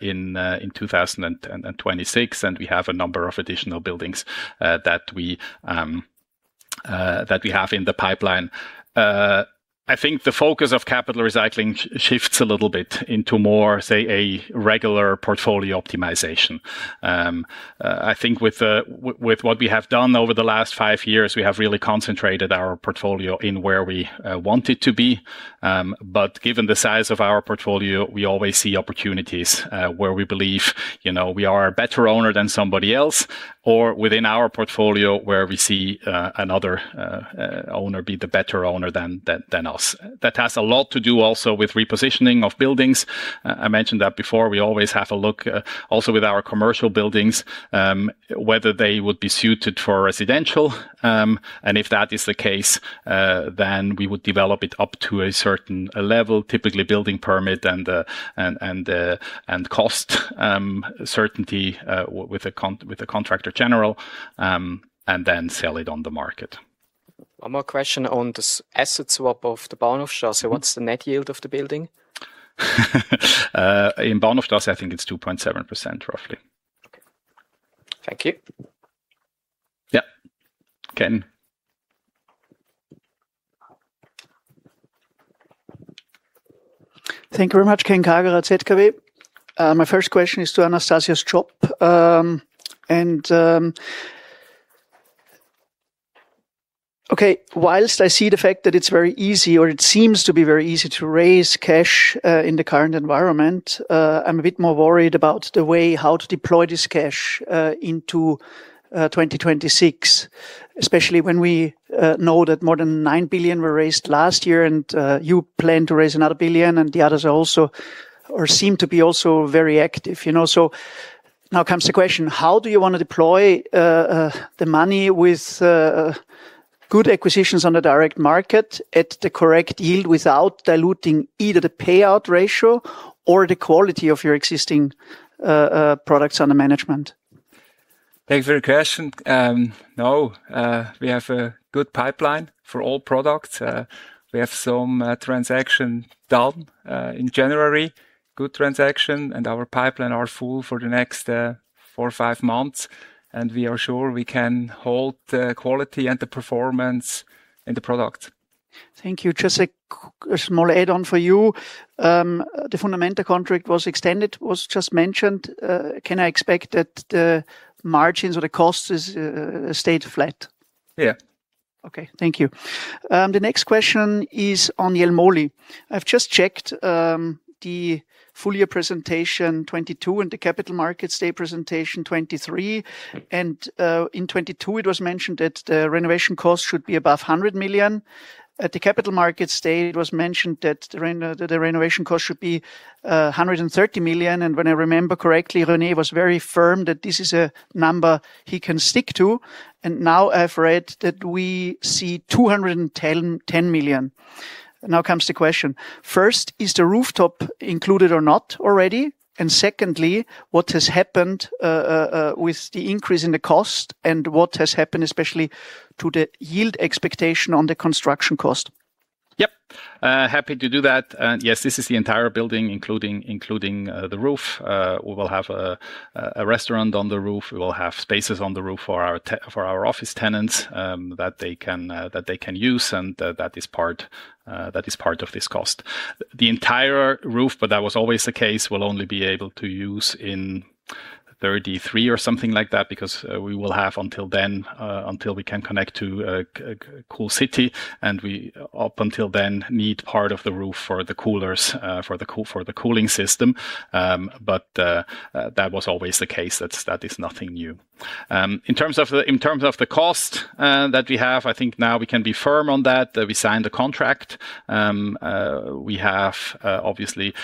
in 2026, and we have a number of additional buildings that we have in the pipeline. I think the focus of capital recycling shifts a little bit into more, say, a regular portfolio optimization. I think with what we have done over the last five years, we have really concentrated our portfolio in where we want it to be. But given the size of our portfolio, we always see opportunities where we believe, you know, we are a better owner than somebody else, or within our portfolio, where we see another owner be the better owner than us. That has a lot to do also with repositioning of buildings. I mentioned that before. We always have a look also with our commercial buildings whether they would be suited for residential, and if that is the case, then we would develop it up to a certain level, typically building permit and cost certainty with the contractor general, and then sell it on the market. One more question on this asset swap of the Bahnhofstrasse. What's the net yield of the building? In Bahnhofstrasse, I think it's 2.7%, roughly. Okay. Thank you. Yeah. Ken? Thank you very much. Ken Kagerer at ZKB. My first question is to Anastasius Tschopp. And okay, while I see the fact that it's very easy, or it seems to be very easy to raise cash in the current environment, I'm a bit more worried about the way how to deploy this cash into 2026, especially when we know that more than 9 billion were raised last year, and you plan to raise another 1 billion, and the others are also... or seem to be also very active, you know? So now comes the question: How do you want to deploy the money with Good acquisitions on the direct market at the correct yield, without diluting either the payout ratio or the quality of your existing products under management? Thank you for your question. No, we have a good pipeline for all products. We have some transaction done in January, good transaction, and our pipeline are full for the next 4-5 months, and we are sure we can hold the quality and the performance in the product. Thank you. Just a small add-on for you. The Fundamenta contract was extended, was just mentioned. Can I expect that the margins or the costs is stayed flat? Yeah. Okay, thank you. The next question is on Jelmoli. I've just checked, the Full Year Presentation 2022 and the Capital Markets Day presentation 2023. Mm-hmm. In 2022, it was mentioned that the renovation costs should be above 100 million. At the Capital Markets Day, it was mentioned that the renovation cost should be 130 million. And when I remember correctly, René was very firm that this is a number he can stick to. And now I've read that we see 210 million. Now comes the question: first, is the rooftop included or not already? And secondly, what has happened with the increase in the cost, and what has happened especially to the yield expectation on the construction cost? Yep, happy to do that. Yes, this is the entire building, including the roof. We will have a restaurant on the roof. We will have spaces on the roof for our office tenants that they can use, and that is part of this cost. The entire roof, but that was always the case, we'll only be able to use in 2033 or something like that, because we will have until then until we can connect to a CoolCity, and we, up until then, need part of the roof for the coolers for the cooling system. But that was always the case. That is nothing new. In terms of the, in terms of the cost that we have, I think now we can be firm on that. We signed a contract. We have, obviously,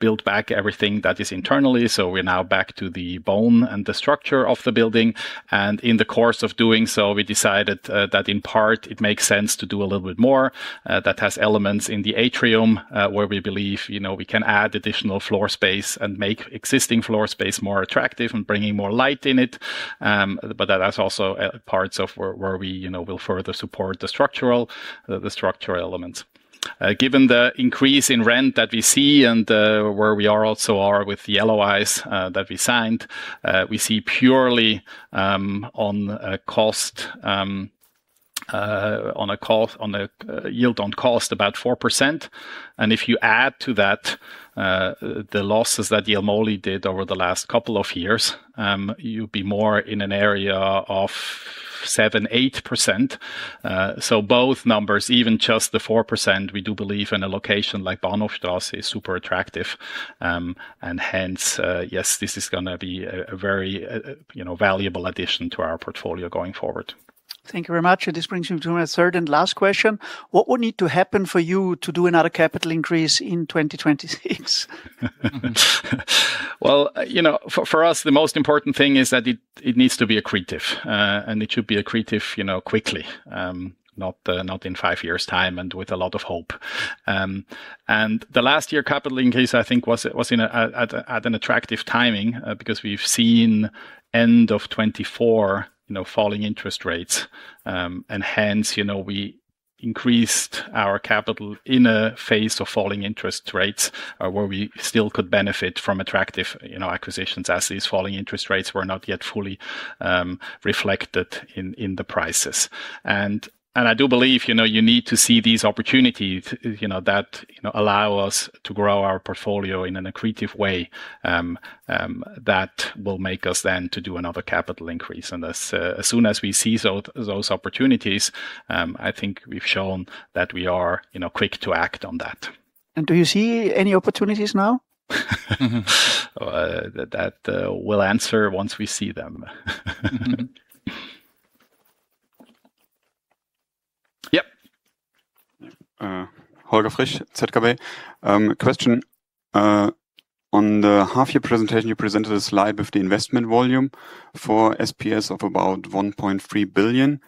built back everything that is internally, so we're now back to the bone and the structure of the building. And in the course of doing so, we decided that in part, it makes sense to do a little bit more. That has elements in the atrium, where we believe, you know, we can add additional floor space and make existing floor space more attractive and bringing more light in it. But that, that's also parts of where, where we, you know, will further support the structural, the structural elements. Given the increase in rent that we see and where we are also with the LOIs that we signed, we see purely on a cost, on a yield on cost, about 4%. And if you add to that the losses that Jelmoli did over the last couple of years, you'll be more in an area of 7%-8%. So both numbers, even just the 4%, we do believe in a location like Bahnhofstrasse is super attractive. And hence, yes, this is gonna be a very you know, valuable addition to our portfolio going forward. Thank you very much. This brings me to my third and last question. What would need to happen for you to do another capital increase in 2026? Well, you know, for us, the most important thing is that it needs to be accretive, and it should be accretive, you know, quickly, not in five years' time and with a lot of hope. And the last year capital increase, I think, was at an attractive timing, because we've seen end of 2024, you know, falling interest rates. And hence, you know, we increased our capital in a phase of falling interest rates, where we still could benefit from attractive, you know, acquisitions as these falling interest rates were not yet fully reflected in the prices. I do believe, you know, you need to see these opportunities, you know, that, you know, allow us to grow our portfolio in an accretive way, that will make us then to do another capital increase. And as soon as we see those opportunities, I think we've shown that we are, you know, quick to act on that. Do you see any opportunities now? We'll answer once we see them. Yep. Holger Frisch, ZKB. Question on the Half Year Presentation, you presented a slide with the investment volume for SPS of about 1.3 billion,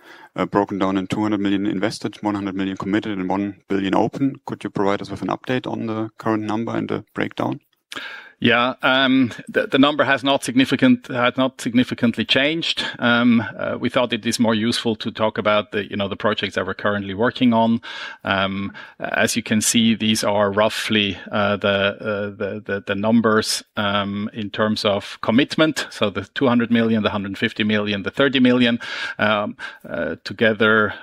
broken down in 200 million invested, 100 million committed, and 1 billion open. Could you provide us with an update on the current number and the breakdown? Yeah, the number has not significantly changed. We thought it is more useful to talk about the, you know, the projects that we're currently working on. As you can see, these are roughly the numbers in terms of commitment, so the 200 million, the 150 million, the 30 million, together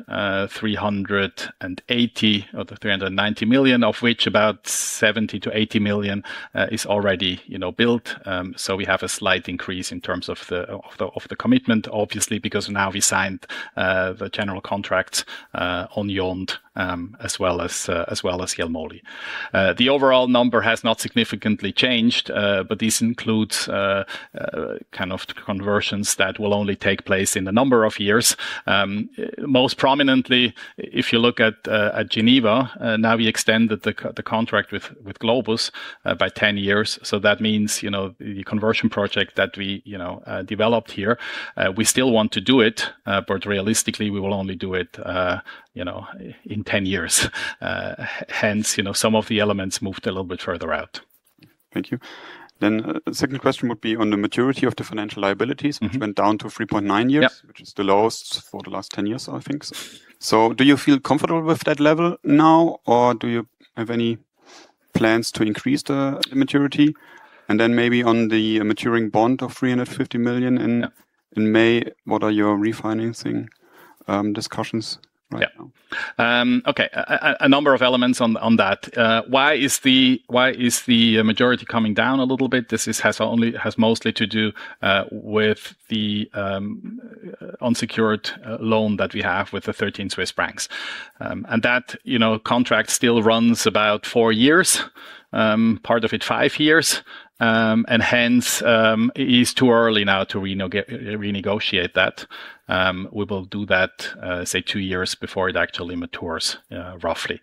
380 million or the 390 million, of which about 70 million-80 million is already, you know, built. So we have a slight increase in terms of the commitment, obviously, because now we signed the general contracts on YOND, as well as Jelmoli. The overall number has not significantly changed, but this includes kind of conversions that will only take place in a number of years. Most prominently, if you look at Geneva, now we extended the contract with Globus by 10 years. So that means, you know, the conversion project that we, you know, developed here, we still want to do it, you know, in 10 years. Hence, you know, some of the elements moved a little bit further out.... Thank you. Then, the second question would be on the maturity of the financial liabilities- Mm-hmm. -which went down to 3.9 years? Yeah. Which is the lowest for the last 10 years, I think so. So do you feel comfortable with that level now, or do you have any plans to increase the maturity? And then maybe on the maturing bond of 350 million in- Yeah - in May, what are your refinancing discussions right now? Yeah. Okay. A number of elements on that. Why is the majority coming down a little bit? This has mostly to do with the unsecured loan that we have with the 13 Swiss banks. And that, you know, contract still runs about 4 years, part of it, 5 years. And hence, it is too early now to renegotiate that. We will do that, say 2 years before it actually matures, roughly.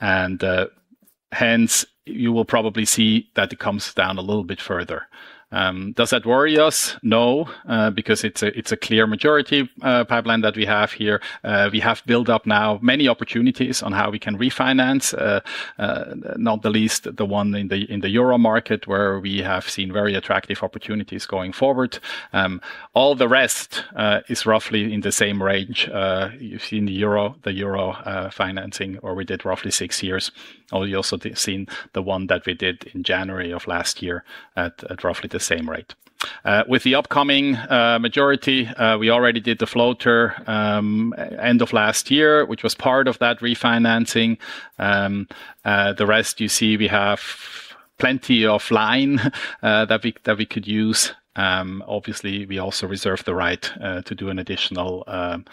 And hence, you will probably see that it comes down a little bit further. Does that worry us? No, because it's a clear majority pipeline that we have here. We have built up now many opportunities on how we can refinance, not the least, the one in the Euro market, where we have seen very attractive opportunities going forward. All the rest is roughly in the same range. You've seen the Euro financing, where we did roughly six years. Or you also have seen the one that we did in January of last year at roughly the same rate. With the upcoming maturity, we already did the floater end of last year, which was part of that refinancing. The rest, you see, we have plenty of line that we could use. Obviously, we also reserve the right to do an additional bond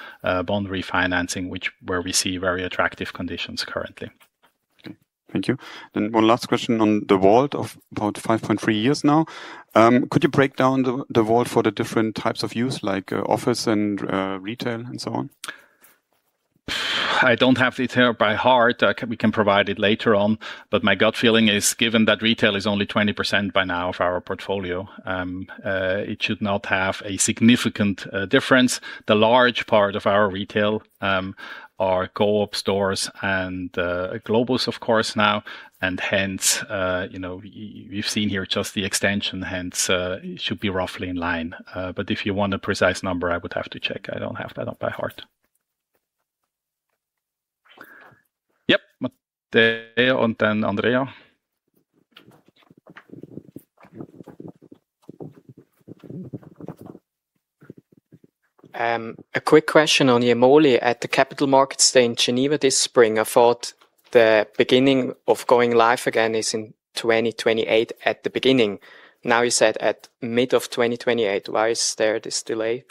refinancing, where we see very attractive conditions currently. Thank you. Then one last question on the WALT of about 5.3 years now. Could you break down the WALT for the different types of use, like, office and retail, and so on? I don't have retail by heart. We can provide it later on, but my gut feeling is, given that retail is only 20% by now of our portfolio, it should not have a significant difference. The large part of our retail are Coop stores and Globus, of course, now, and hence, you know, you've seen here just the extension, hence it should be roughly in line. But if you want a precise number, I would have to check. I don't have that off by heart. Yep, Matteo, and then Andrea. A quick question on the Jelmoli. At the Capital Markets Day in Geneva this spring, I thought the beginning of going live again is in 2028 at the beginning. Now, you said at mid of 2028. Why is there this delay?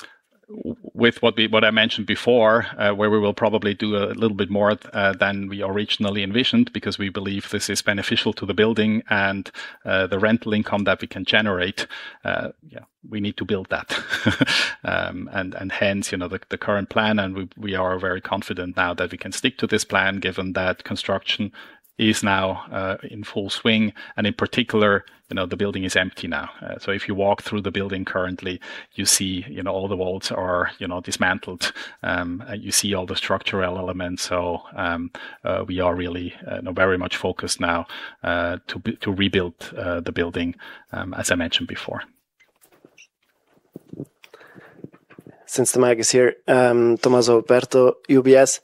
With what we, what I mentioned before, where we will probably do a little bit more than we originally envisioned, because we believe this is beneficial to the building and the rental income that we can generate. Yeah, we need to build that. And hence, you know, the current plan, and we are very confident now that we can stick to this plan, given that construction is now in full swing, and in particular, you know, the building is empty now. So if you walk through the building currently, you see, you know, all the walls are, you know, dismantled. You see all the structural elements. So we are really very much focused now to rebuild the building, as I mentioned before. Since the mic is here, Tommaso Operto, UBS.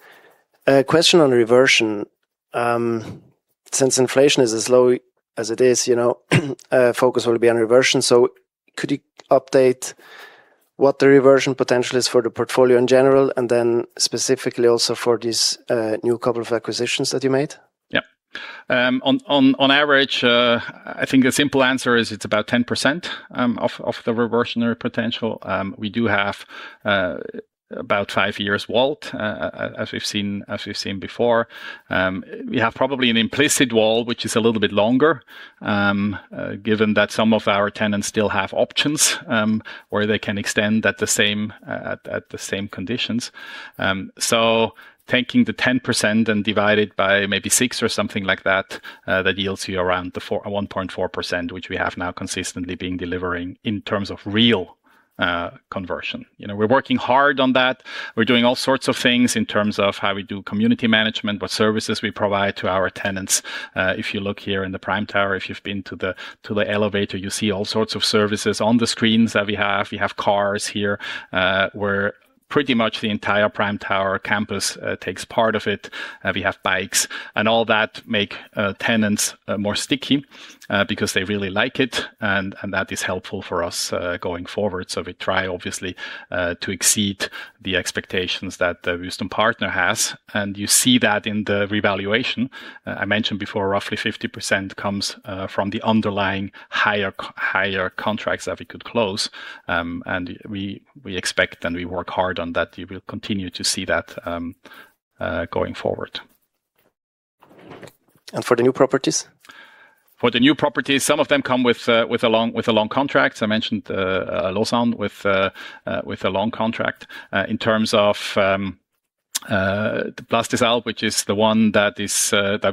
A question on reversion. Since inflation is as low as it is, you know, focus will be on reversion. So could you update what the reversion potential is for the portfolio in general, and then specifically also for this new couple of acquisitions that you made? On average, I think the simple answer is it's about 10% of the reversionary potential. We do have about 5 years WALT, as we've seen before. We have probably an implicit WALT, which is a little bit longer, given that some of our tenants still have options, where they can extend at the same conditions. So taking the 10% and divide it by maybe 6 or something like that, that yields you around the 4.1%, which we have now consistently been delivering in terms of real conversion. You know, we're working hard on that. We're doing all sorts of things in terms of how we do community management, what services we provide to our tenants. If you look here in the Prime Tower, if you've been to the elevator, you see all sorts of services on the screens that we have. We have cars here, where pretty much the entire Prime Tower campus takes part of it. We have bikes and all that make tenants more sticky because they really like it, and that is helpful for us going forward. So we try, obviously, to exceed the expectations that the Wüest Partner has, and you see that in the revaluation. I mentioned before, roughly 50% comes from the underlying higher contracts that we could close. And we expect, and we work hard on that. You will continue to see that going forward. For the new properties? For the new properties, some of them come with a long contract. I mentioned Lausanne with a long contract. In terms of the Plastex SA, which is the one that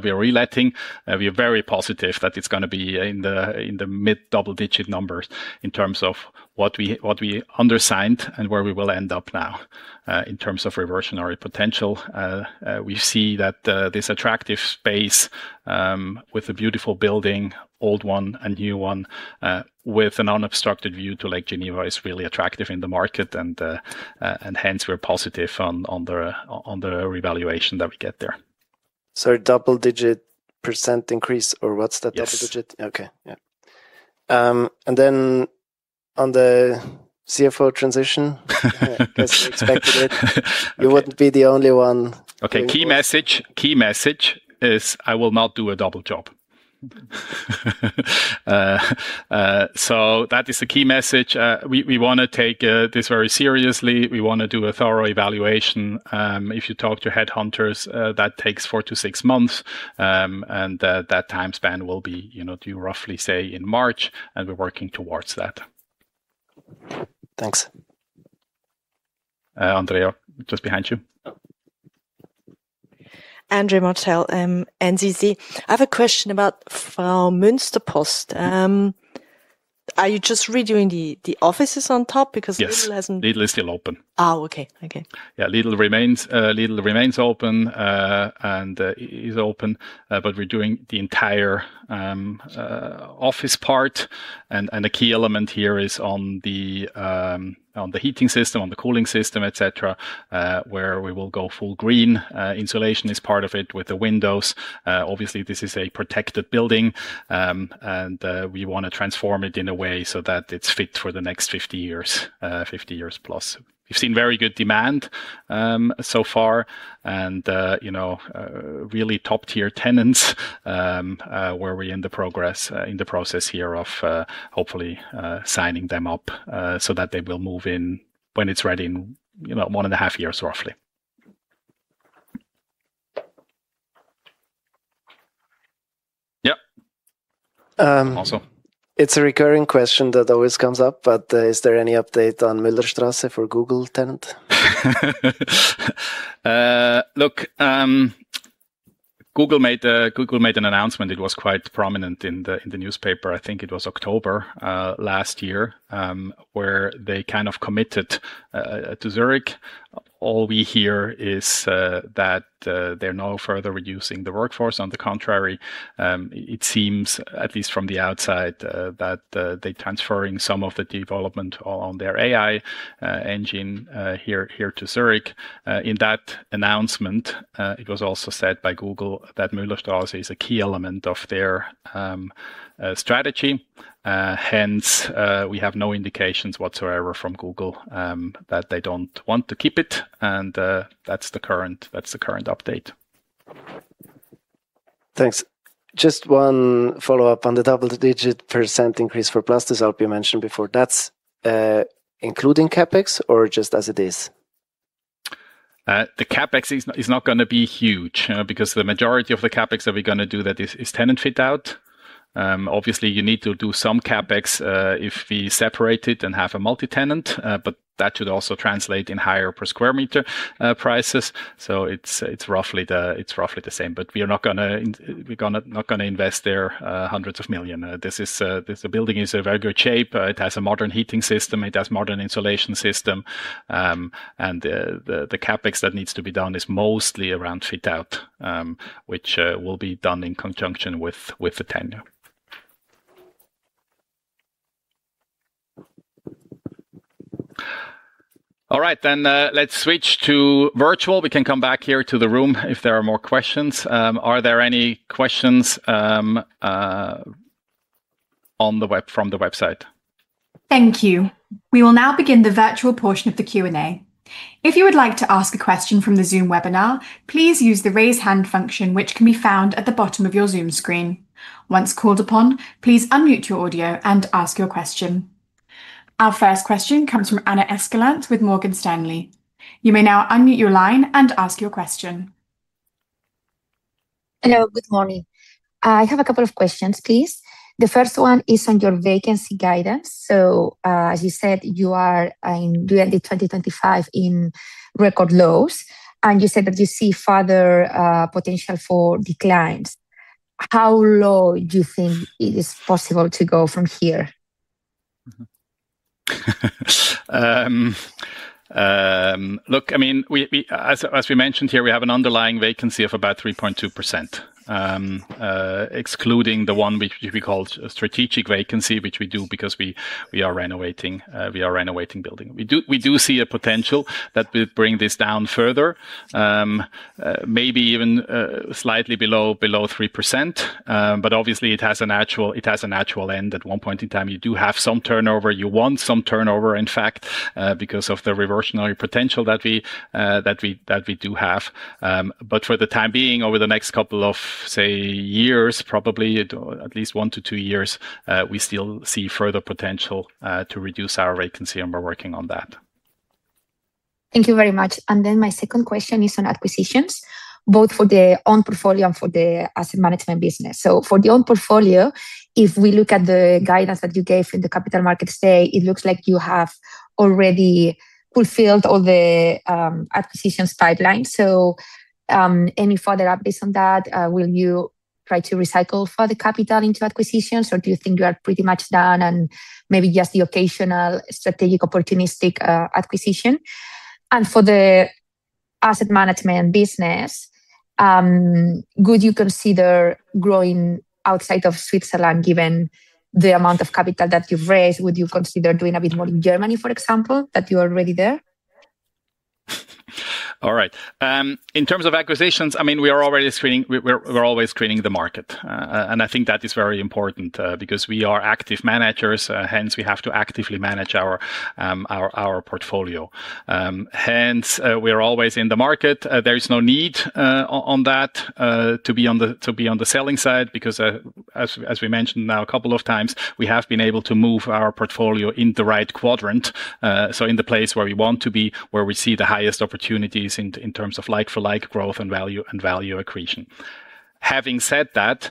we are re-letting. We are very positive that it's gonna be in the mid-double digit numbers in terms of what we undersigned, and where we will end up now. In terms of reversionary potential, we see that this attractive space with a beautiful building, old one and new one, with an unobstructed view to Lake Geneva, is really attractive in the market, and hence we're positive on the revaluation that we get there. Double-digit percent increase, or what's the double digit? Yes. Okay. Yeah. And then on the CFO transition—'cause we expected it. You wouldn't be the only one. Okay, key message. Key message is I will not do a double job. That is the key message. We want to take this very seriously. We want to do a thorough evaluation. If you talk to headhunters, that takes 4-6 months. That time span will be, you know, to roughly say in March, and we're working towards that. Thanks. Andrea, just behind you. Andrea Martel, NZZ. I have a question about Fraumünsterpost. Are you just redoing the offices on top? Because Lidl hasn't- Yes, Lidl is still open. Oh, okay. Okay. Yeah, Lidl remains open and is open, but we're doing the entire office part. And a key element here is on the heating system, on the cooling system, et cetera, where we will go full green. Insulation is part of it, with the windows. Obviously, this is a protected building, and we want to transform it in a way so that it's fit for the next 50 years, 50 years plus. We've seen very good demand so far, and you know, really top-tier tenants, where we're in the process here of hopefully signing them up, so that they will move in when it's ready in, you know, 1.5 years, roughly. Yeah. Um- Also. It's a recurring question that always comes up, but, is there any update on Müllerstrasse for Google tenant? Look, Google made an announcement. It was quite prominent in the newspaper. I think it was October last year, where they kind of committed to Zurich. All we hear is that they're now further reducing the workforce. On the contrary, it seems, at least from the outside, that they're transferring some of the development on their AI engine here to Zurich. In that announcement, it was also said by Google that Müllerstrasse is a key element of their strategy. Hence, we have no indications whatsoever from Google that they don't want to keep it, and that's the current update. Thanks. Just one follow-up on the double-digit percent increase for Plastex SA you mentioned before. That's, including CapEx or just as it is? The CapEx is not gonna be huge, because the majority of the CapEx that we're gonna do, that is tenant fit out. Obviously, you need to do some CapEx, if we separate it and have a multi-tenant, but that should also translate in higher per square meter prices. So it's roughly the same, but we are not gonna invest there hundreds of millions Swiss Franc. This building is in very good shape. It has a modern heating system, it has modern insulation system. And the CapEx that needs to be done is mostly around fit out, which will be done in conjunction with the tenant. All right then, let's switch to virtual. We can come back here to the room if there are more questions. Are there any questions on the web from the website? Thank you. We will now begin the virtual portion of the Q&A. If you would like to ask a question from the Zoom webinar, please use the Raise Hand function, which can be found at the bottom of your Zoom screen. Once called upon, please unmute your audio and ask your question. Our first question comes from Ana Escalante with Morgan Stanley. You may now unmute your line and ask your question. Hello, good morning. I have a couple of questions, please. The first one is on your vacancy guidance. So, as you said, you are in, doing the 2025 in record lows, and you said that you see further, potential for declines. How low do you think it is possible to go from here? Look, I mean, we, as we mentioned here, we have an underlying vacancy of about 3.2%. Excluding the one which we call strategic vacancy, which we do because we are renovating, we are renovating building. We do see a potential that will bring this down further, maybe even slightly below 3%. But obviously, it has a natural end. At one point in time, you do have some turnover. You want some turnover, in fact, because of the reversionary potential that we do have. But for the time being, over the next couple of, say, years, probably at least 1-2 years, we still see further potential to reduce our vacancy, and we're working on that. Thank you very much. And then my second question is on acquisitions, both for the own portfolio and for the asset management business. So for the own portfolio, if we look at the guidance that you gave in the Capital Markets Day, it looks like you have already fulfilled all the acquisitions pipeline. So, any further updates on that? Will you try to recycle further capital into acquisitions, or do you think you are pretty much done, and maybe just the occasional strategic opportunistic acquisition? And for the asset management business, would you consider growing outside of Switzerland, given the amount of capital that you've raised? Would you consider doing a bit more in Germany, for example, that you are already there? All right. In terms of acquisitions, I mean, we are already screening. We, we're always screening the market. And I think that is very important, because we are active managers, hence we have to actively manage our portfolio. Hence, we are always in the market. There is no need on that to be on the selling side because, as we mentioned now a couple of times, we have been able to move our portfolio in the right quadrant. So in the place where we want to be, where we see the highest opportunities in terms of like-for-like growth and value, and value accretion. Having said that,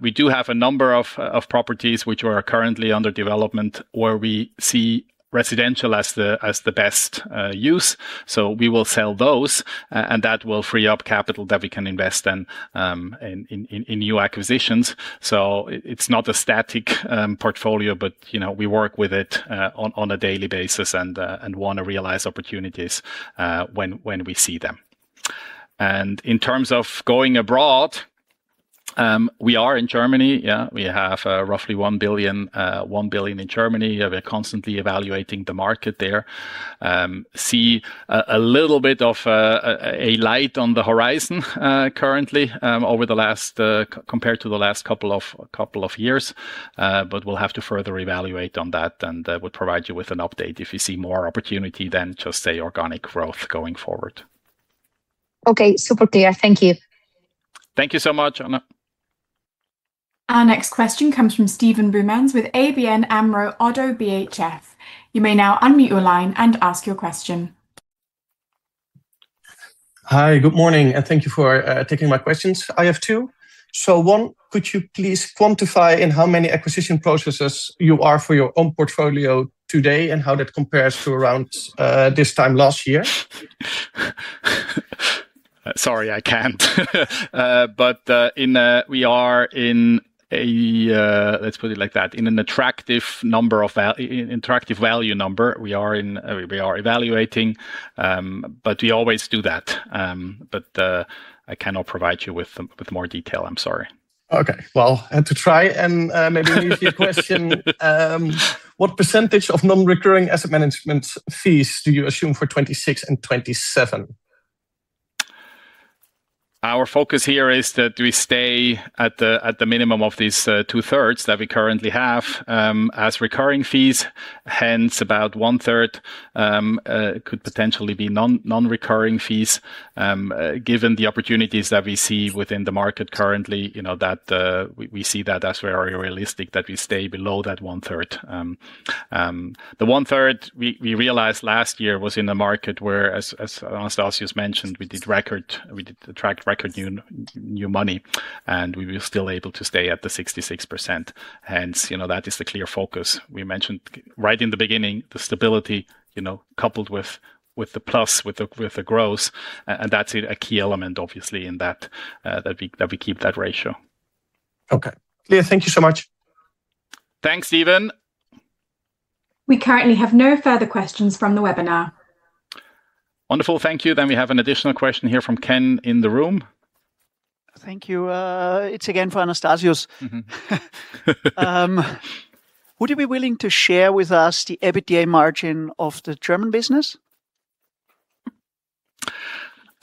we do have a number of properties which are currently under development, where we see residential as the best use. So we will sell those, and that will free up capital that we can invest in new acquisitions. So it's not a static portfolio, but, you know, we work with it on a daily basis and want to realize opportunities when we see them. And in terms of going abroad, we are in Germany. Yeah, we have roughly 1 billion in Germany. We're constantly evaluating the market there. See a little bit of a light on the horizon currently, over the last compared to the last couple of years. But we'll have to further evaluate on that, and we'll provide you with an update if we see more opportunity than just, say, organic growth going forward. Okay. Super clear. Thank you. Thank you so much, Anna. Our next question comes from Steven Boumans with ABN AMRO and ODDO BHF. You may now unmute your line and ask your question. Hi, good morning, and thank you for taking my questions. I have two. So, one, could you please quantify in how many acquisition processes you are for your own portfolio today, and how that compares to around this time last year? Sorry, I can't. But, let's put it like that, in an attractive value number. We are evaluating, but we always do that. But, I cannot provide you with more detail. I'm sorry. Okay. Well, I had to try, and maybe easy question. What percentage of non-recurring asset management fees do you assume for 2026 and 2027? Our focus here is that we stay at the minimum of these two-thirds that we currently have as recurring fees. Hence, about one-third could potentially be non-recurring fees. Given the opportunities that we see within the market currently, you know, we see that as very realistic, that we stay below that one-third. The one-third we realized last year was in a market where, as Anastasius mentioned, we did attract record new money, and we were still able to stay at the 66%. Hence, you know, that is the clear focus. We mentioned right in the beginning, the stability, you know, coupled with the growth, and that's a key element, obviously, in that we keep that ratio. Okay. Yeah, thank you so much. Thanks, Steven. We currently have no further questions from the webinar. Wonderful. Thank you. Then we have an additional question here from Ken in the room. Thank you. It's again for Anastasius. Mm-hmm. Would you be willing to share with us the EBITDA margin of the German business?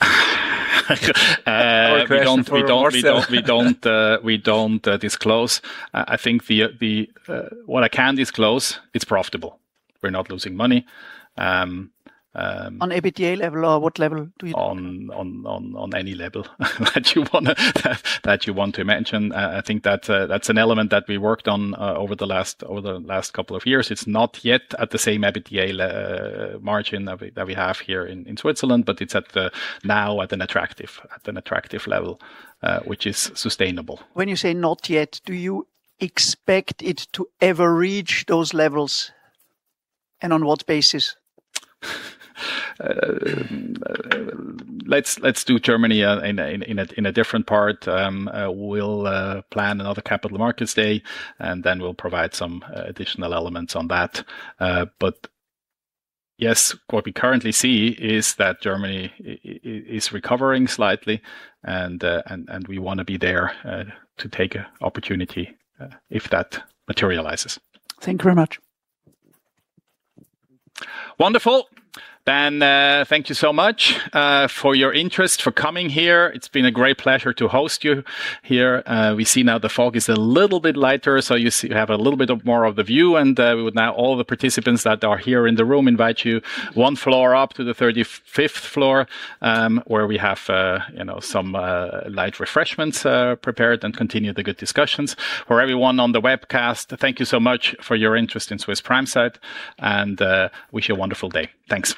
Uh- Or a question for Marcel.... We don't disclose. What I can disclose, it's profitable. We're not losing money- On EBITDA level, or what level do you- Any level that you want to mention. I think that's an element that we worked on over the last couple of years. It's not yet at the same EBITDA margin that we have here in Switzerland, but it's now at an attractive level which is sustainable. When you say not yet, do you expect it to ever reach those levels, and on what basis? Let's do Germany in a different part. We'll plan another Capital Markets Day, and then we'll provide some additional elements on that. But yes, what we currently see is that Germany is recovering slightly, and we want to be there to take an opportunity if that materializes. Thank you very much. Wonderful. Then, thank you so much for your interest, for coming here. It's been a great pleasure to host you here. We see now the fog is a little bit lighter, so you see, have a little bit of more of the view, and we would now, all the participants that are here in the room, invite you one floor up to the 35th floor, where we have, you know, some light refreshments prepared, and continue the good discussions. For everyone on the webcast, thank you so much for your interest in Swiss Prime Site, and wish you a wonderful day. Thanks.